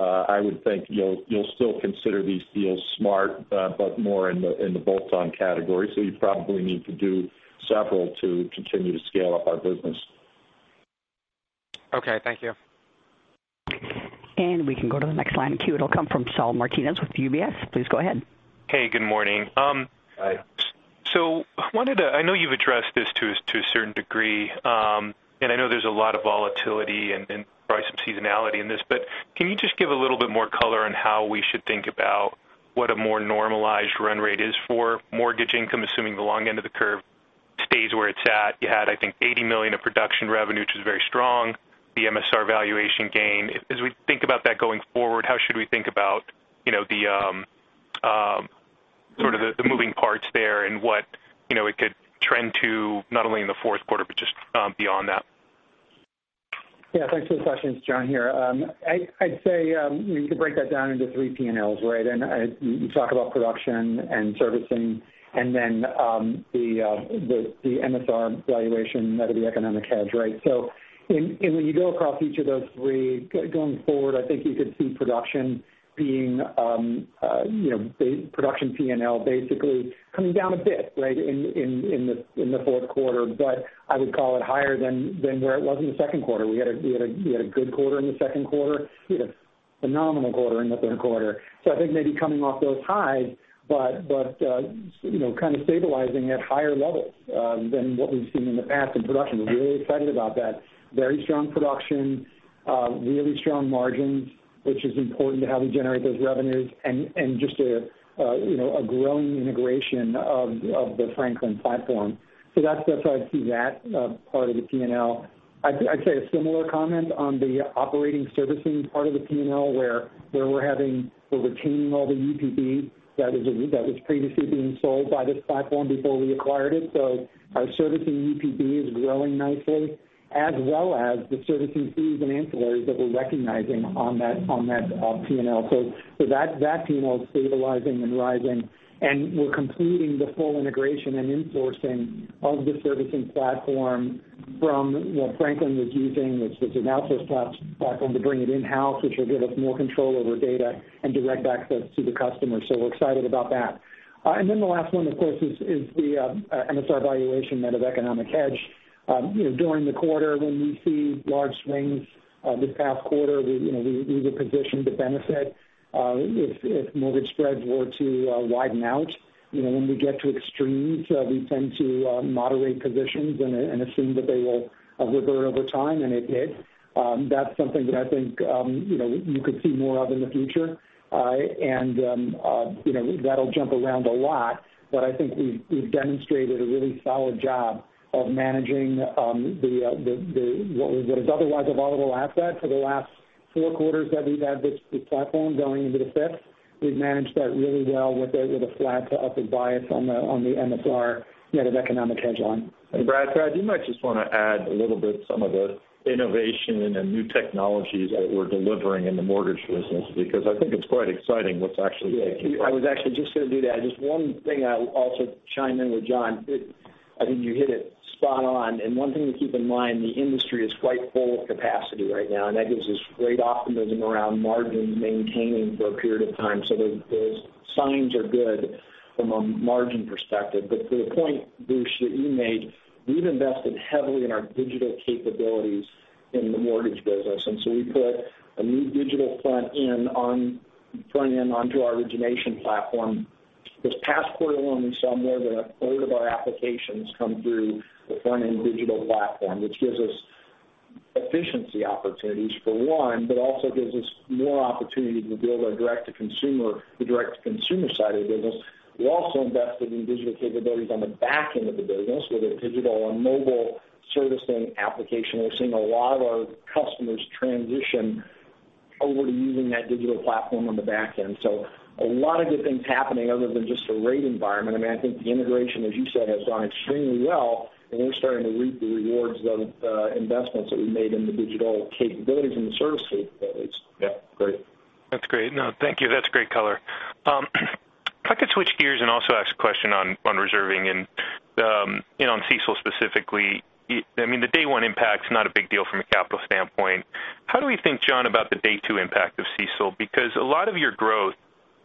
I would think you'll still consider these deals smart but more in the bolt-on category. You probably need to do several to continue to scale up our business. Okay. Thank you. We can go to the next line in queue. It'll come from Saul Martinez with UBS. Please go ahead. Hey, good morning. Hi. I know you've addressed this to a certain degree, and I know there's a lot of volatility and probably some seasonality in this, but can you just give a little bit more color on how we should think about what a more normalized run rate is for mortgage income, assuming the long end of the curve stays where it's at? You had, I think, $80 million of production revenue, which is very strong, the MSR valuation gain. As we think about that going forward, how should we think about sort of the moving parts there and what it could trend to, not only in the fourth quarter but just beyond that? Yeah, thanks for the question. It's John here. I'd say you could break that down into three P&Ls, right? You talk about production and servicing and then the MSR valuation out of the economic hedge, right? When you go across each of those three going forward, I think you could see production P&L basically coming down a bit right in the fourth quarter. I would call it higher than where it was in the second quarter. We had a good quarter in the second quarter. Phenomenal quarter in the third quarter. I think maybe coming off those highs, but kind of stabilizing at higher levels than what we've seen in the past in production. We're really excited about that. Very strong production, really strong margins, which is important to how we generate those revenues and just a growing integration of the Franklin platform. That's how I see that part of the P&L. I'd say a similar comment on the operating servicing part of the P&L, where we're retaining all the UPB that was previously being sold by this platform before we acquired it. Our servicing UPB is growing nicely, as well as the servicing fees and ancillaries that we're recognizing on that P&L. That P&L is stabilizing and rising, and we're completing the full integration and in-sourcing of the servicing platform from what Franklin was using, which was an outsource platform, to bring it in-house, which will give us more control over data and direct access to the customer. We're excited about that. The last one, of course, is the MSR valuation net of economic hedge. During the quarter when we see large swings, this past quarter, we were positioned to benefit if mortgage spreads were to widen out. When we get to extremes, we tend to moderate positions and assume that they will revert over time, and it did. That's something that I think you could see more of in the future. That'll jump around a lot, but I think we've demonstrated a really solid job of managing what is otherwise a volatile asset for the last four quarters that we've had this platform going into the fifth. We've managed that really well with a flat to upward bias on the MSR net of economic hedge line. Brad, you might just want to add a little bit some of the innovation and the new technologies that we're delivering in the mortgage business because I think it's quite exciting what's actually taking place. Yeah, I was actually just going to do that. One thing I'll also chime in with John. I think you hit it spot on. One thing to keep in mind, the industry is quite full of capacity right now, and that gives us great optimism around margin maintaining for a period of time. Those signs are good from a margin perspective. To the point, Bruce, that you made, we've invested heavily in our digital capabilities in the mortgage business. We put a new digital front end onto our origination platform. This past quarter alone, we saw more than a third of our applications come through the front-end digital platform, which gives us efficiency opportunities for one, but also gives us more opportunity to build our direct-to-consumer side of the business. We also invested in digital capabilities on the back end of the business with a digital and mobile servicing application. We're seeing a lot of our customers transition over to using that digital platform on the back end. A lot of good things happening other than just the rate environment. I think the integration, as you said, has gone extremely well, and we're starting to reap the rewards of investments that we made in the digital capabilities and the servicing capabilities. Yeah. Great. That's great. No, thank you. That's great color. If I could switch gears and also ask a question on reserving and on CECL specifically. The day one impact's not a big deal from a capital standpoint. How do we think, John, about the day two impact of CECL? Because a lot of your growth,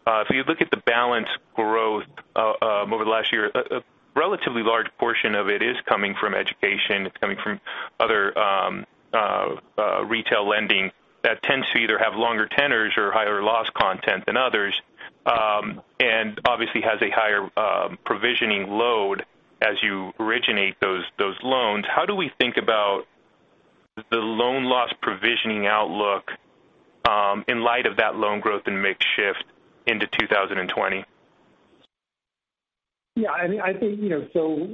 if you look at the balance growth over the last year, a relatively large portion of it is coming from education. It's coming from other retail lending that tends to either have longer tenors or higher loss content than others. Obviously has a higher provisioning load as you originate those loans. How do we think about the loan loss provisioning outlook in light of that loan growth and mix shift into 2020? Yeah.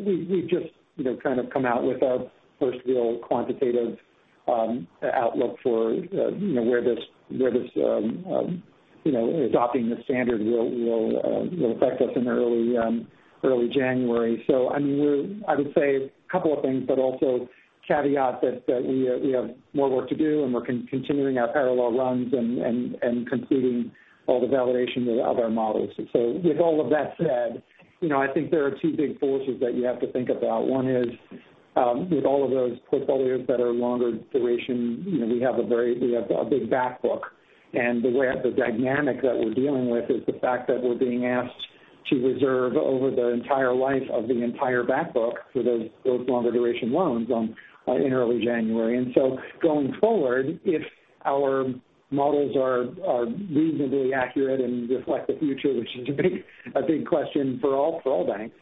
We've just kind of come out with our first real quantitative outlook for where this adopting this standard will affect us in early January. I would say a couple of things, but also caveat that we have more work to do, and we're continuing our parallel runs and completing all the validation of our models. With all of that said, I think there are two big forces that you have to think about. One is with all of those portfolios that are longer duration, we have a big back book. The dynamic that we're dealing with is the fact that we're being asked to reserve over the entire life of the entire back book for those longer duration loans in early January. Going forward, if our models are reasonably accurate and reflect the future, which is a big question for all banks,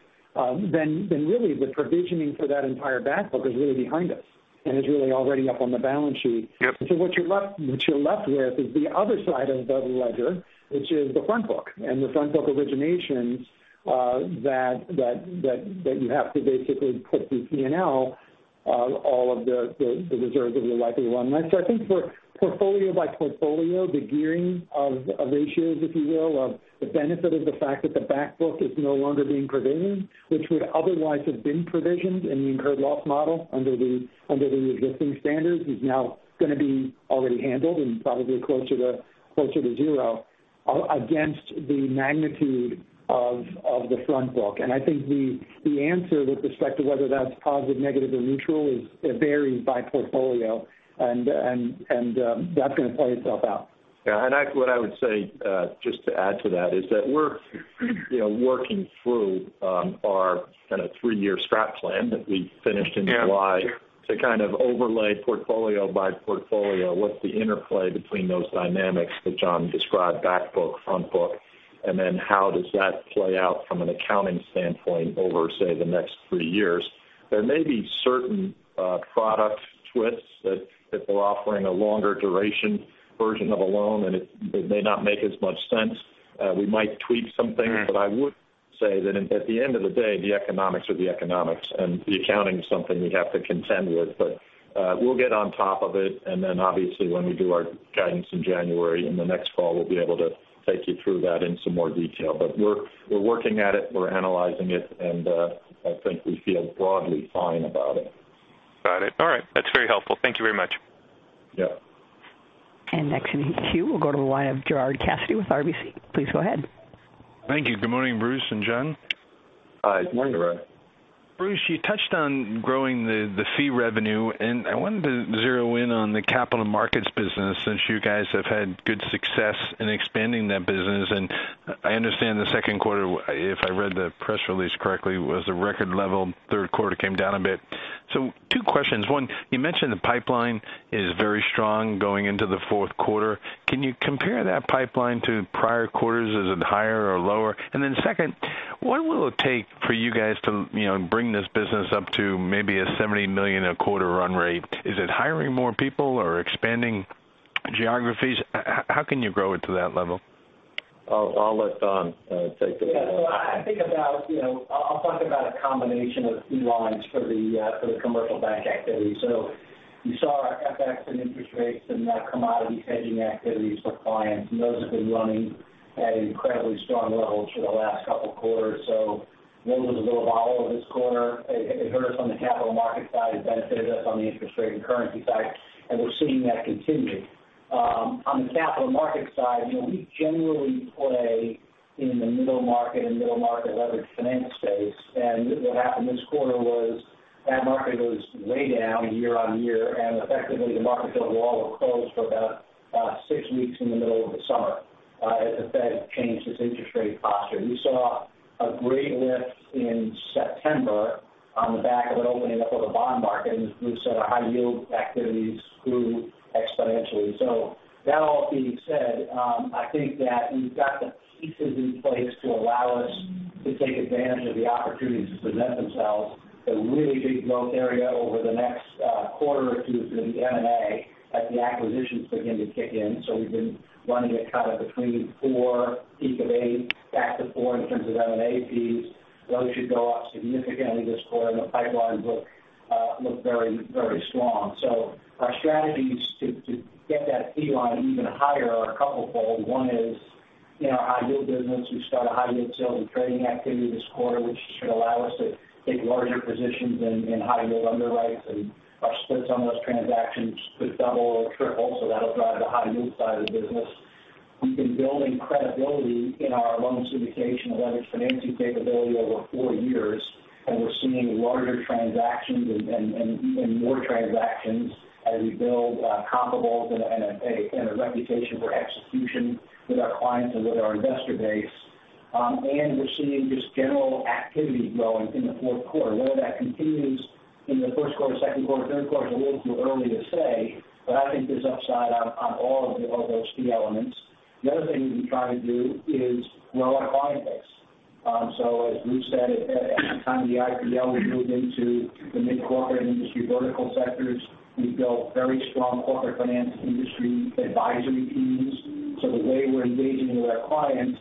then really the provisioning for that entire back book is really behind us and is really already up on the balance sheet. Yep. What you're left with is the other side of the ledger, which is the front book and the front book originations that you have to basically put through P&L all of the reserves that you're likely to run. I think for portfolio by portfolio, the gearing of ratios, if you will, of the benefit of the fact that the back book is no longer being provisioned, which would otherwise have been provisioned in the incurred loss model under the existing standards, is now going to be already handled and probably closer to zero against the magnitude of the front book. I think the answer with respect to whether that's positive, negative, or neutral varies by portfolio, and that's going to play itself out. Yeah. What I would say just to add to that is that we're working through our kind of three-year strat plan that we finished in July to kind of overlay portfolio by portfolio what the interplay between those dynamics that John described, back book, front book, and then how does that play out from an accounting standpoint over, say, the next three years. There may be certain product twists that if we're offering a longer duration version of a loan, and it may not make as much sense. We might tweak some things. I would say that at the end of the day, the economics are the economics, and the accounting is something we have to contend with. We'll get on top of it, and then obviously when we do our guidance in January, in the next call, we'll be able to take you through that in some more detail. We're working at it, we're analyzing it, and I think we feel broadly fine about it. Got it. All right. That's very helpful. Thank you very much. Yeah. Next in queue, we'll go to the line of Gerard Cassidy with RBC. Please go ahead. Thank you. Good morning, Bruce and John. Hi. Good morning, Gerard. Bruce, you touched on growing the fee revenue, and I wanted to zero in on the capital markets business, since you guys have had good success in expanding that business. I understand the second quarter, if I read the press release correctly, was a record level. Third quarter came down a bit. Two questions. One, you mentioned the pipeline is very strong going into the fourth quarter. Can you compare that pipeline to prior quarters? Is it higher or lower? Second, what will it take for you guys to bring this business up to maybe a $70 million a quarter run rate? Is it hiring more people or expanding geographies? How can you grow it to that level? I'll let Don take that one. I'll talk about a combination of fee lines for the commercial bank activity. You saw our FX and interest rates and commodity hedging activities for clients, and those have been running at incredibly strong levels for the last couple of quarters. There was a little volatility this quarter. It hurt us on the capital markets side. It benefited us on the interest rate and currency side, and we're seeing that continue. On the capital markets side, we generally play in the middle market and middle market leveraged finance space. What happened this quarter was that market was way down year-on-year, and effectively the market was all but closed for about six weeks in the middle of the summer as the Fed changed its interest rate posture. We saw a great lift in September on the back of an opening up of the bond market, and so our high yield activities grew exponentially. That all being said, I think that we've got the pieces in place to allow us to take advantage of the opportunities as they present themselves. The really big growth area over the next quarter or two is going to be M&A as the acquisitions begin to kick in. We've been running it kind of between four, peak of eight back to four in terms of M&A fees. Those should go up significantly this quarter, and the pipeline looks very strong. Our strategies to get that fee line even higher are couple fold. One is in our high yield business. We've started high yield sales and trading activity this quarter which should allow us to take larger positions in high yield underwrites and our splits on those transactions could double or triple. That'll drive the high yield side of the business. We've been building credibility in our loan syndication and leveraged financing capability over four years, and we're seeing larger transactions and even more transactions as we build comparables and a reputation for execution with our clients and with our investor base. We're seeing just general activity growing in the fourth quarter. Whether that continues in the first quarter, second quarter, third quarter is a little too early to say, but I think there's upside on all those key elements. The other thing we've been trying to do is grow our client base. As Bruce said, at the time of the IPO, we moved into the mid-corporate and industry vertical sectors. We built very strong corporate finance industry advisory teams. The way we're engaging with our clients,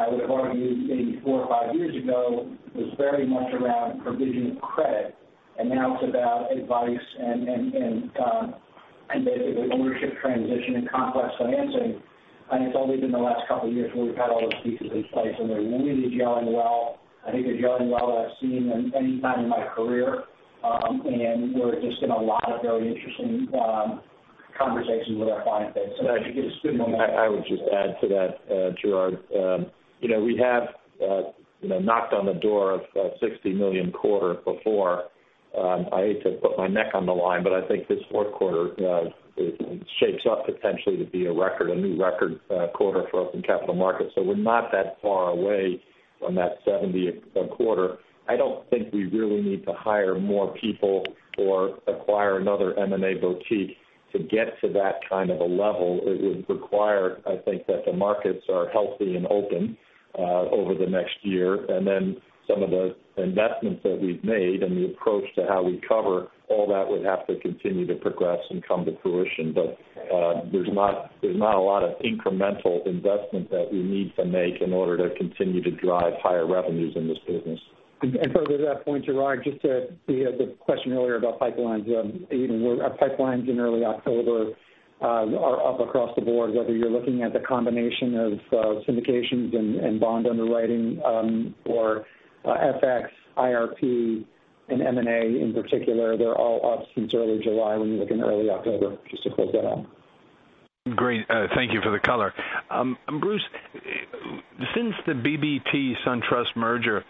I would argue maybe four or five years ago, was very much around provision of credit, and now it's about advice and basically ownership transition and complex financing. It's only been the last couple of years where we've had all those pieces in place, and they're really gelling well. I think they're gelling well as I've seen them any time in my career. We're just in a lot of very interesting conversations with our client base. If you could, I would just add to that, Gerard. We have knocked on the door of $60 million quarter before. I hate to put my neck on the line, but I think this fourth quarter shapes up potentially to be a new record quarter for us in capital markets. We're not that far away from that $70 a quarter. I don't think we really need to hire more people or acquire another M&A boutique to get to that kind of a level. It would require, I think that the markets are healthy and open over the next year, and then some of the investments that we've made and the approach to how we cover all that would have to continue to progress and come to fruition. There's not a lot of incremental investment that we need to make in order to continue to drive higher revenues in this business. Further to that point, Gerard, just to the question earlier about pipelines. Our pipelines in early October are up across the board, whether you're looking at the combination of syndications and bond underwriting or FX, IRP and M&A in particular, they're all up since early July when you look in early October. Just to close that out. Great. Thank you for the color. Bruce, since the BB&T SunTrust merger,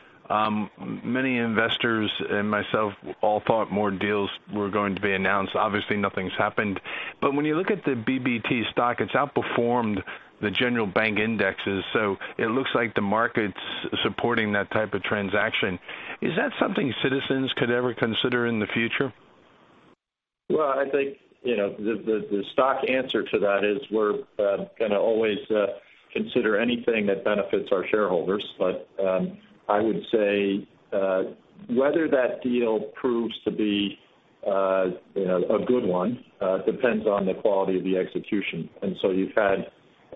many investors and myself all thought more deals were going to be announced. Obviously, nothing's happened. When you look at the BB&T stock, it's outperformed the general bank indexes. It looks like the market's supporting that type of transaction. Is that something Citizens could ever consider in the future? Well, I think the stock answer to that is we're going to always consider anything that benefits our shareholders. I would say whether that deal proves to be a good one depends on the quality of the execution.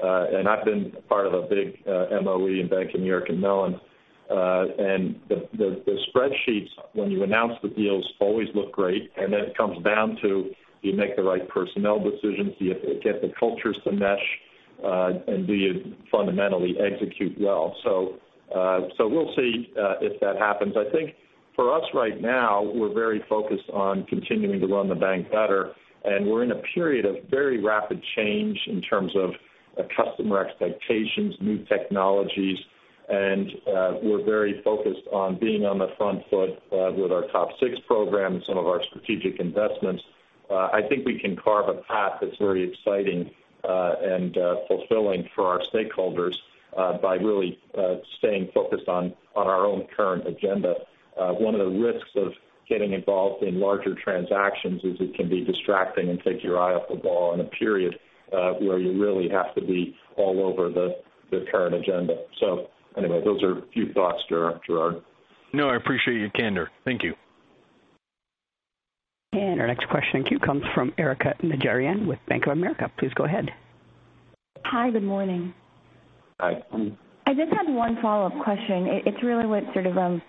I've been part of a big MOE in Bank of New York and Mellon. The spreadsheets when you announce the deals always look great, and then it comes down to do you make the right personnel decisions? Do you get the cultures to mesh? Do you fundamentally execute well? We'll see if that happens. I think for us right now, we're very focused on continuing to run the bank better, and we're in a period of very rapid change in terms of customer expectations, new technologies, and we're very focused on being on the front foot with our TOP 6 programs, some of our strategic investments. I think we can carve a path that's very exciting and fulfilling for our stakeholders by really staying focused on our own current agenda. One of the risks of getting involved in larger transactions is it can be distracting and take your eye off the ball in a period where you really have to be all over the current agenda. Anyway, those are a few thoughts, Gerard. No, I appreciate your candor. Thank you. Our next question in queue comes from Erika Najarian with Bank of America. Please go ahead. Hi, good morning. Hi. I just had one follow-up question. It's really what sort of Brian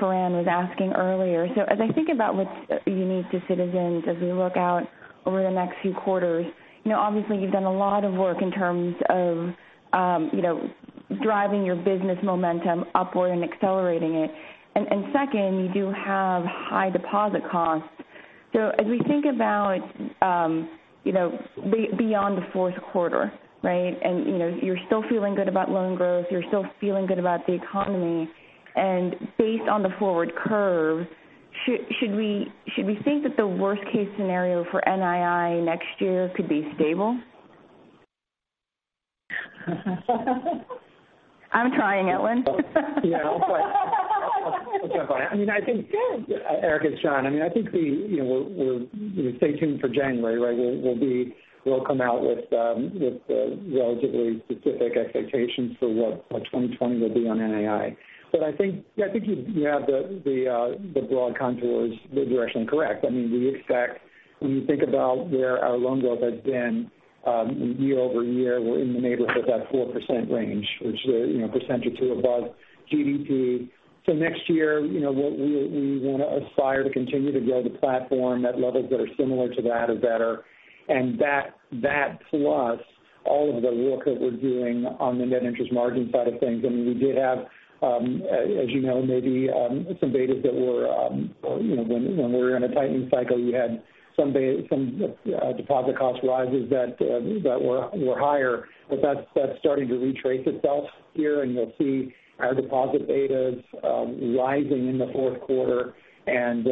Foran was asking earlier. As I think about what's unique to Citizens as we look out over the next few quarters, obviously you've done a lot of work in terms of driving your business momentum upward and accelerating it. Second, you do have high deposit costs. As we think about beyond the fourth quarter, right? You're still feeling good about loan growth, you're still feeling good about the economy. Based on the forward curve, should we think that the worst-case scenario for NII next year could be stable? I'm trying, Ellen. Yeah. That's okay. Erika, it's John. I think stay tuned for January, right? We'll come out with relatively specific expectations for what 2020 will be on NII. I think you have the broad contours, the direction correct. When you think about where our loan growth has been year-over-year, we're in the neighborhood of that 4% range, which is a percentage or two above GDP. Next year, we want to aspire to continue to grow the platform at levels that are similar to that or better, and that plus all of the work that we're doing on the net interest margin side of things. We did have, as you know maybe, some betas that when we were in a tightening cycle, we had some deposit cost rises that were higher. That's starting to retrace itself here, and you'll see our deposit betas rising in the fourth quarter and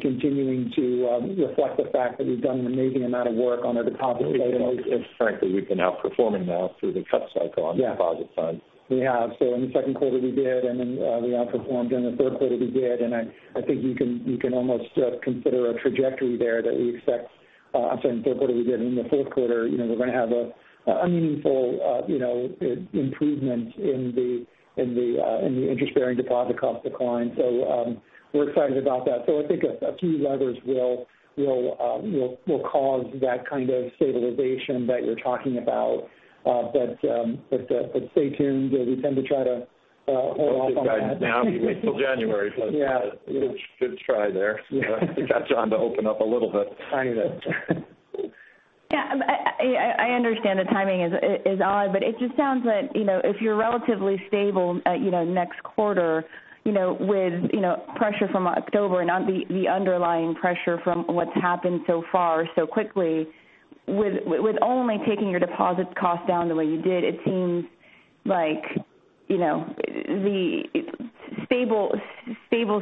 continuing to reflect the fact that we've done an amazing amount of work on our deposit betas. Frankly, we've been outperforming now through the cut cycle. Yeah, on the deposit side, we have. In the second quarter we did, and then we outperformed during the third quarter we did, and I think you can almost consider a trajectory there. I'm sorry, in the third quarter we did. In the fourth quarter, we're going to have a meaningful improvement in the interest-bearing deposit cost decline. We're excited about that. I think a few levers will cause that kind of stabilization that you're talking about. Stay tuned. We tend to try to hold off on that. Now we wait till January. Yeah. Good try there. Yeah. Got John to open up a little bit. I know. Yeah. I understand the timing is odd, but it just sounds that if you're relatively stable next quarter with pressure from October and the underlying pressure from what's happened so far so quickly with only taking your deposits cost down the way you did, it seems like stable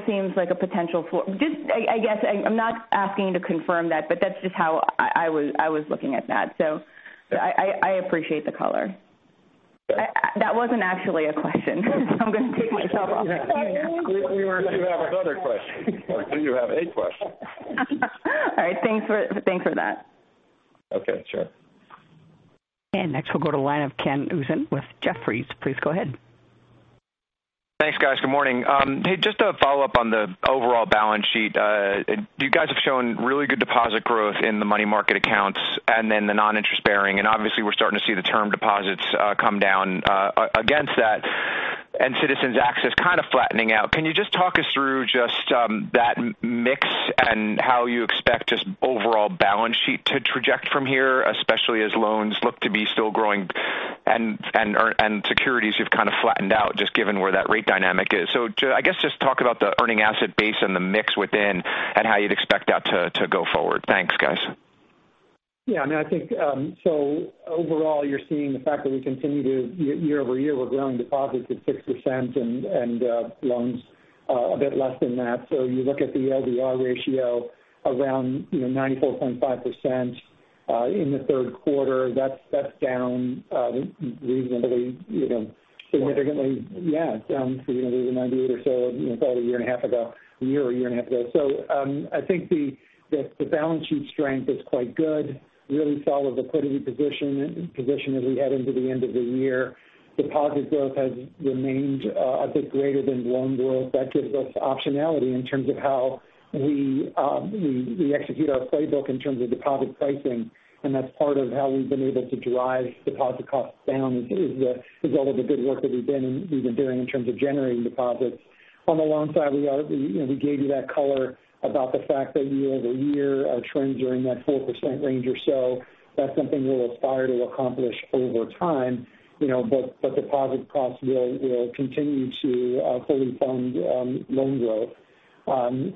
seems like a potential. I guess I'm not asking to confirm that, but that's just how I was looking at that. I appreciate the color. That wasn't actually a question. I'm going to take myself off mute. You were going to have another question. Do you have a question? All right. Thanks for that. Okay. Sure. Next we'll go to line of Ken Usdin with Jefferies. Please go ahead. Thanks, guys. Good morning. Hey, just a follow-up on the overall balance sheet. You guys have shown really good deposit growth in the money market accounts and then the non-interest bearing, and obviously we're starting to see the term deposits come down against that and Citizens Access kind of flattening out. Can you just talk us through just that mix and how you expect just overall balance sheet to traject from here, especially as loans look to be still growing and securities have kind of flattened out just given where that rate dynamic is. I guess just talk about the earning asset base and the mix within and how you'd expect that to go forward. Thanks, guys. Yeah. Overall, you're seeing the fact that we continue to year-over-year, we're growing deposits at 6% and loans a bit less than that. You look at the LDR ratio around 94.5%. In the third quarter, that's down reasonably. Significantly. Significantly, yeah. Down to the neighborhood of 98 or so about a year or a year and a half ago. I think the balance sheet strength is quite good. Really solid liquidity position as we head into the end of the year. Deposit growth has remained a bit greater than loan growth. That gives us optionality in terms of how we execute our playbook in terms of deposit pricing, and that's part of how we've been able to drive deposit costs down is all of the good work that we've been doing in terms of generating deposits. On the loan side, we gave you that color about the fact that year-over-year, our trends are in that 4% range or so. That's something we'll aspire to accomplish over time. Deposit costs will continue to fully fund loan growth. I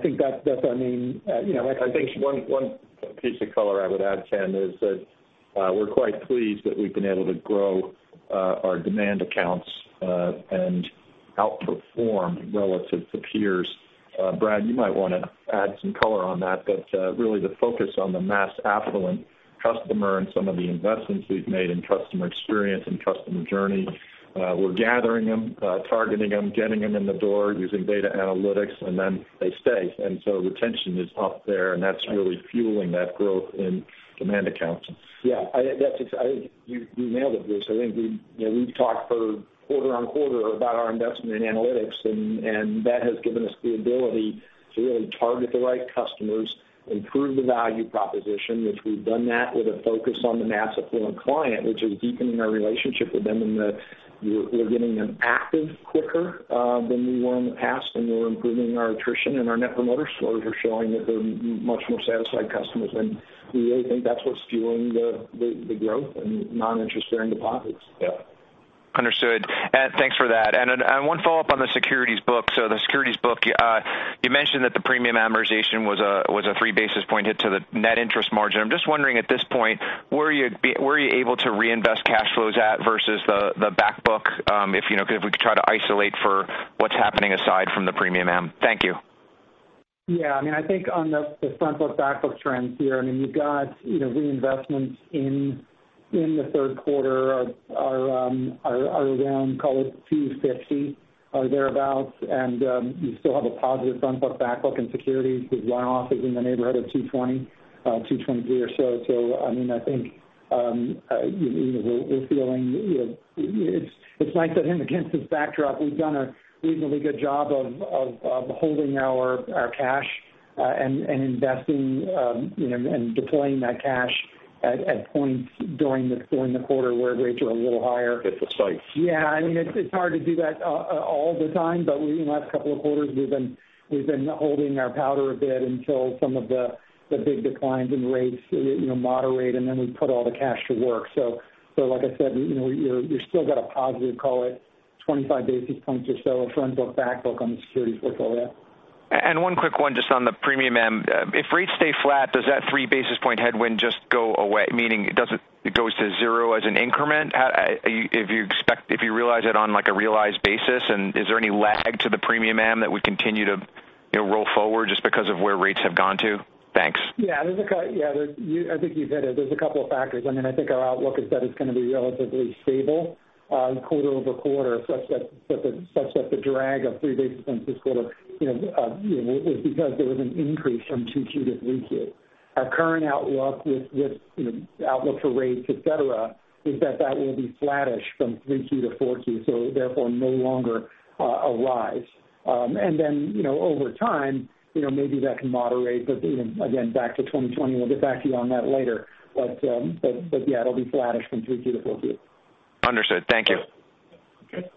think that's our main- I think one piece of color I would add, Ken, is that we're quite pleased that we've been able to grow our demand accounts and outperform relative to peers. Brad, you might want to add some color on that, really the focus on the mass affluent customer and some of the investments we've made in customer experience and customer journey. We're gathering them, targeting them, getting them in the door using data analytics, and then they stay. Retention is up there, and that's really fueling that growth in demand accounts. Yeah. You nailed it, Bruce. I think we've talked for quarter-on-quarter about our investment in analytics, and that has given us the ability to really target the right customers, improve the value proposition, which we've done that with a focus on the mass affluent client, which is deepening our relationship with them in that we're getting them active quicker than we were in the past, and we're improving our attrition, and our Net Promoter Scores are showing that they're much more satisfied customers. We really think that's what's fueling the growth in non-interest-bearing deposits. Yeah. Understood. Thanks for that. One follow-up on the securities book. The securities book, you mentioned that the premium amortization was a three basis point hit to the net interest margin. I'm just wondering at this point, where are you able to reinvest cash flows at versus the back book? If we could try to isolate for what's happening aside from the premium am. Thank you. Yeah. I think on the front book, back book trends here, you've got reinvestments in the third quarter are around, call it 250 or thereabout. You still have a positive front book, back book in securities with write-offs in the neighborhood of 220, 223 or so. I think it's nice that against this backdrop, we've done a reasonably good job of holding our cash and investing and deploying that cash at points during the quarter where rates are a little higher. Hit the spikes. It's hard to do that all the time, but in the last couple of quarters, we've been holding our powder a bit until some of the big declines in rates moderate, and then we put all the cash to work. Like I said, you still got a positive, call it 25 basis points or so of front book, back book on the securities portfolio. One quick one just on the premium am. If rates stay flat, does that three basis point headwind just go away? Meaning, does it go to zero as an increment? If you realize it on a realized basis, is there any lag to the premium am that would continue to roll forward just because of where rates have gone to? Thanks. Yeah. I think you've hit it. There's a couple of factors. I think our outlook is that it's going to be relatively stable quarter-over-quarter, such that the drag of three basis points this quarter is because there was an increase from 2Q to 3Q. Our current outlook with outlook for rates, et cetera, is that that will be flattish from 3Q to 4Q, so therefore no longer a rise. Over time, maybe that can moderate. Again, back to 2020, we'll get back to you on that later. Yeah, it'll be flattish from 3Q to 4Q. Understood. Thank you. Okay.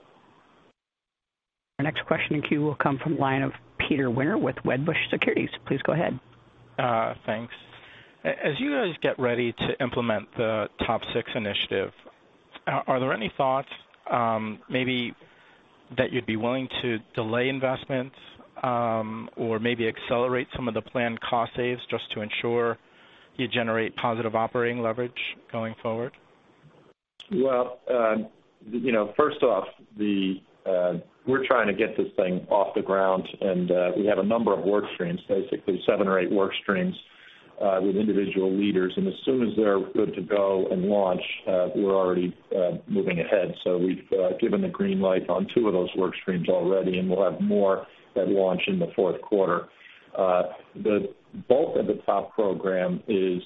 Our next question in queue will come from line of Peter Winter with Wedbush Securities. Please go ahead. Thanks. As you guys get ready to implement the TOP 6 initiative, are there any thoughts maybe that you'd be willing to delay investments or maybe accelerate some of the planned cost saves just to ensure you generate positive operating leverage going forward? Well, first off, we're trying to get this thing off the ground. We have a number of work streams. Basically 7 or 8 work streams with individual leaders. As soon as they're good to go and launch, we're already moving ahead. We've given the green light on 2 of those work streams already, and we'll have more that launch in the fourth quarter. The bulk of the TOP program is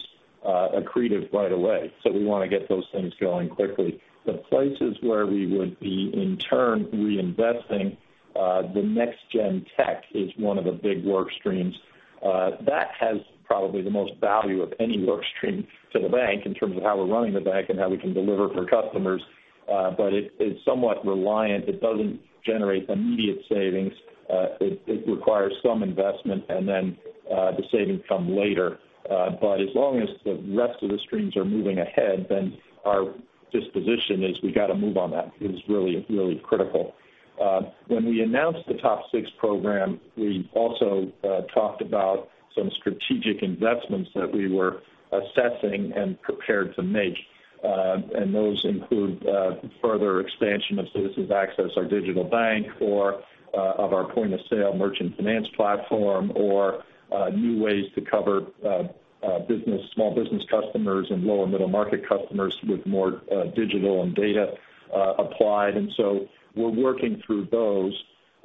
accretive right away. We want to get those things going quickly. The places where we would be in turn reinvesting, the next gen tech is 1 of the big work streams. That has probably the most value of any work stream to the bank in terms of how we're running the bank and how we can deliver for customers. It is somewhat reliant. It doesn't generate immediate savings. It requires some investment and then the savings come later. As long as the rest of the streams are moving ahead, then our disposition is we got to move on that. It is really critical. When we announced the TOP 6 program, we also talked about some strategic investments that we were assessing and prepared to make. Those include further expansion of Citizens Access, our digital bank, or of our point-of-sale merchant finance platform, or new ways to cover small business customers and low and middle-market customers with more digital and data applied. We're working through those.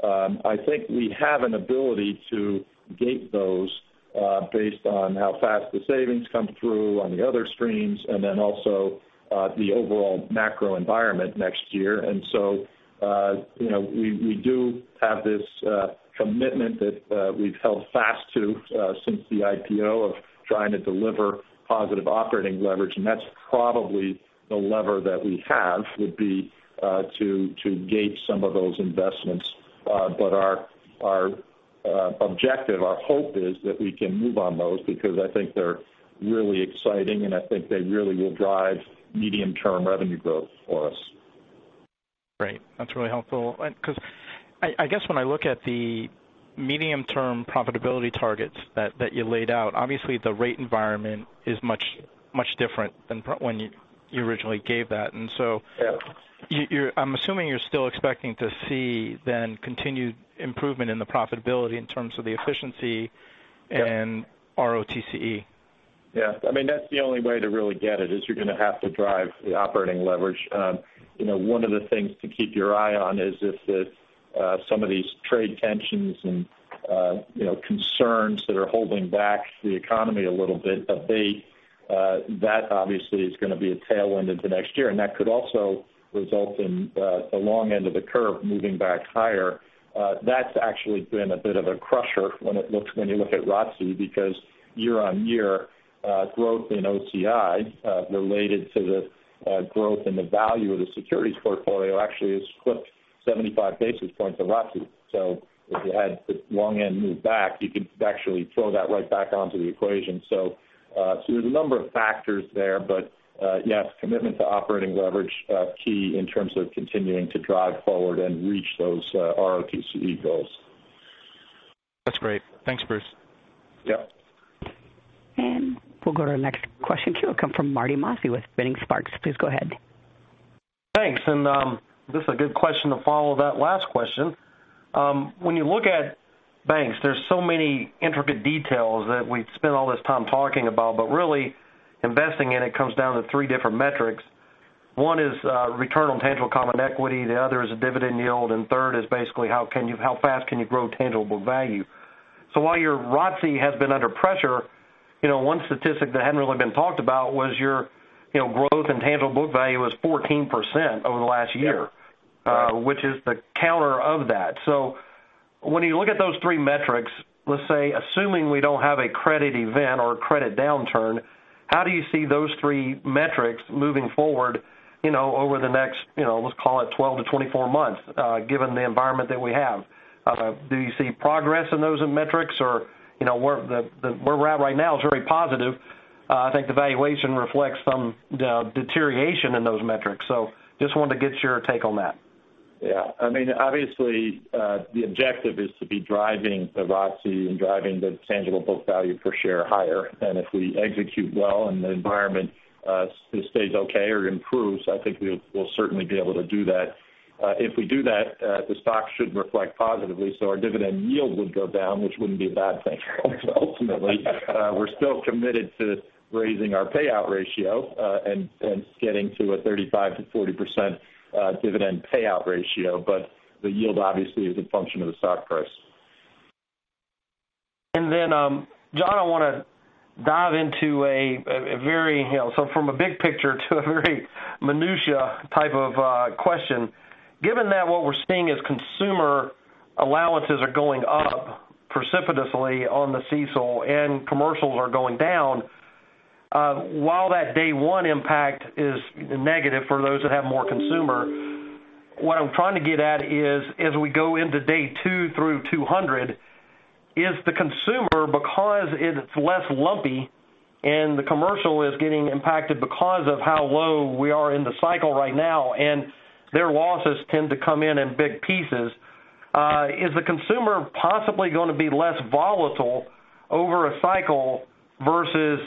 I think we have an ability to gate those based on how fast the savings come through on the other streams, and then also the overall macro environment next year. We do have this commitment that we've held fast to since the IPO of trying to deliver positive operating leverage, and that's probably the lever that we have, would be to gate some of those investments. Our objective, our hope is that we can move on those because I think they're really exciting and I think they really will drive medium-term revenue growth for us. Great. That's really helpful because I guess when I look at the medium-term profitability targets that you laid out, obviously the rate environment is much different than when you originally gave that. Yes. I'm assuming you're still expecting to see then continued improvement in the profitability in terms of the efficiency. Yes and ROTCE. Yes. That's the only way to really get it, is you're going to have to drive the operating leverage. One of the things to keep your eye on is if some of these trade tensions and concerns that are holding back the economy a little bit abate, that obviously is going to be a tailwind into next year, and that could also result in the long end of the curve moving back higher. That's actually been a bit of a crusher when you look at ROTCE, because year-on-year growth in OCI related to the growth in the value of the securities portfolio actually has clipped 75 basis points of ROTCE. If you had the long end move back, you could actually throw that right back onto the equation. There's a number of factors there. Yes, commitment to operating leverage, key in terms of continuing to drive forward and reach those ROTCE goals. That's great. Thanks, Bruce. Yes. We'll go to our next question queue. It'll come from Marty Mosby with Vining Sparks. Please go ahead. Thanks. This is a good question to follow that last question. When you look at banks, there's so many intricate details that we've spent all this time talking about, but really investing in it comes down to three different metrics. One is return on tangible common equity. The other is dividend yield, and third is basically how fast can you grow tangible book value. While your ROTCE has been under pressure, one statistic that hadn't really been talked about was your growth in tangible book value was 14% over the last year. Yes which is the counter of that. When you look at those three metrics, let's say, assuming we don't have a credit event or a credit downturn, how do you see those three metrics moving forward over the next, let's call it 12-24 months, given the environment that we have? Do you see progress in those metrics? Where we're at right now is very positive. I think the valuation reflects some deterioration in those metrics. Just wanted to get your take on that. Obviously, the objective is to be driving the ROTCE and driving the tangible book value per share higher. If we execute well and the environment stays okay or improves, I think we'll certainly be able to do that. If we do that, the stock should reflect positively, so our dividend yield would go down, which wouldn't be a bad thing, ultimately. We're still committed to raising our payout ratio and getting to a 35%-40% dividend payout ratio. The yield obviously is a function of the stock price. John, I want to dive into a very, so from a big picture to a very minutia type of question. Given that what we're seeing is consumer allowances are going up precipitously on the CECL and commercials are going down. While that day 1 impact is negative for those that have more consumer, what I'm trying to get at is, as we go into day 2 through 200, is the consumer because it's less lumpy and the commercial is getting impacted because of how low we are in the cycle right now, and their losses tend to come in in big pieces. Is the consumer possibly going to be less volatile over a cycle versus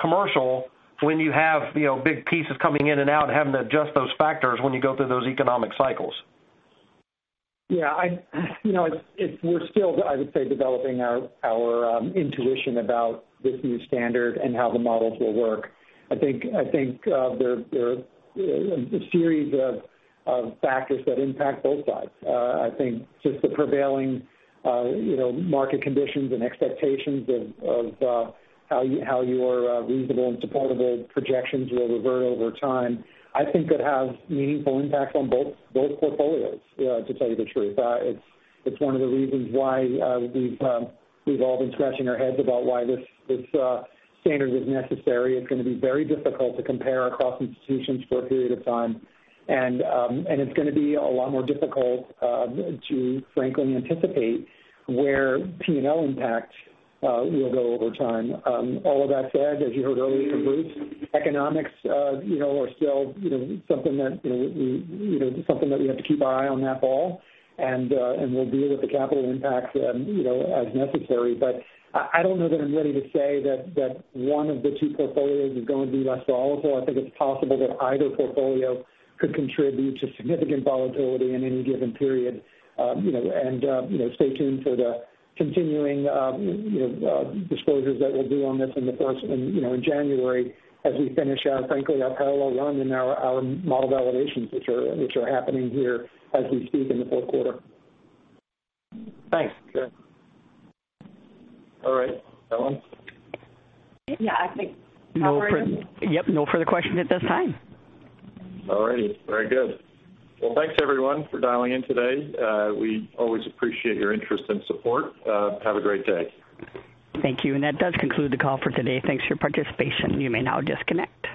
commercial when you have big pieces coming in and out and having to adjust those factors when you go through those economic cycles? Yeah. We're still, I would say, developing our intuition about this new standard and how the models will work. I think there are a series of factors that impact both sides. I think just the prevailing market conditions and expectations of how your reasonable and supportable projections will revert over time. I think it has meaningful impact on both portfolios, to tell you the truth. It's one of the reasons why we've all been scratching our heads about why this standard was necessary. It's going to be very difficult to compare across institutions for a period of time. It's going to be a lot more difficult to frankly anticipate where P&L impact will go over time. All of that said, as you heard earlier from Bruce, economics are still something that we have to keep our eye on that ball and we'll deal with the capital impacts as necessary. I don't know that I'm ready to say that one of the two portfolios is going to be less volatile. I think it's possible that either portfolio could contribute to significant volatility in any given period. Stay tuned for the continuing disclosures that we'll do on this in January as we finish our, frankly, our parallel run and our model validations, which are happening here as we speak in the fourth quarter. Thanks. Sure. All right. Ellen? Yeah, I think no further. Yep. No further questions at this time. All right. Very good. Thanks everyone for dialing in today. We always appreciate your interest and support. Have a great day. Thank you. That does conclude the call for today. Thanks for your participation. You may now disconnect.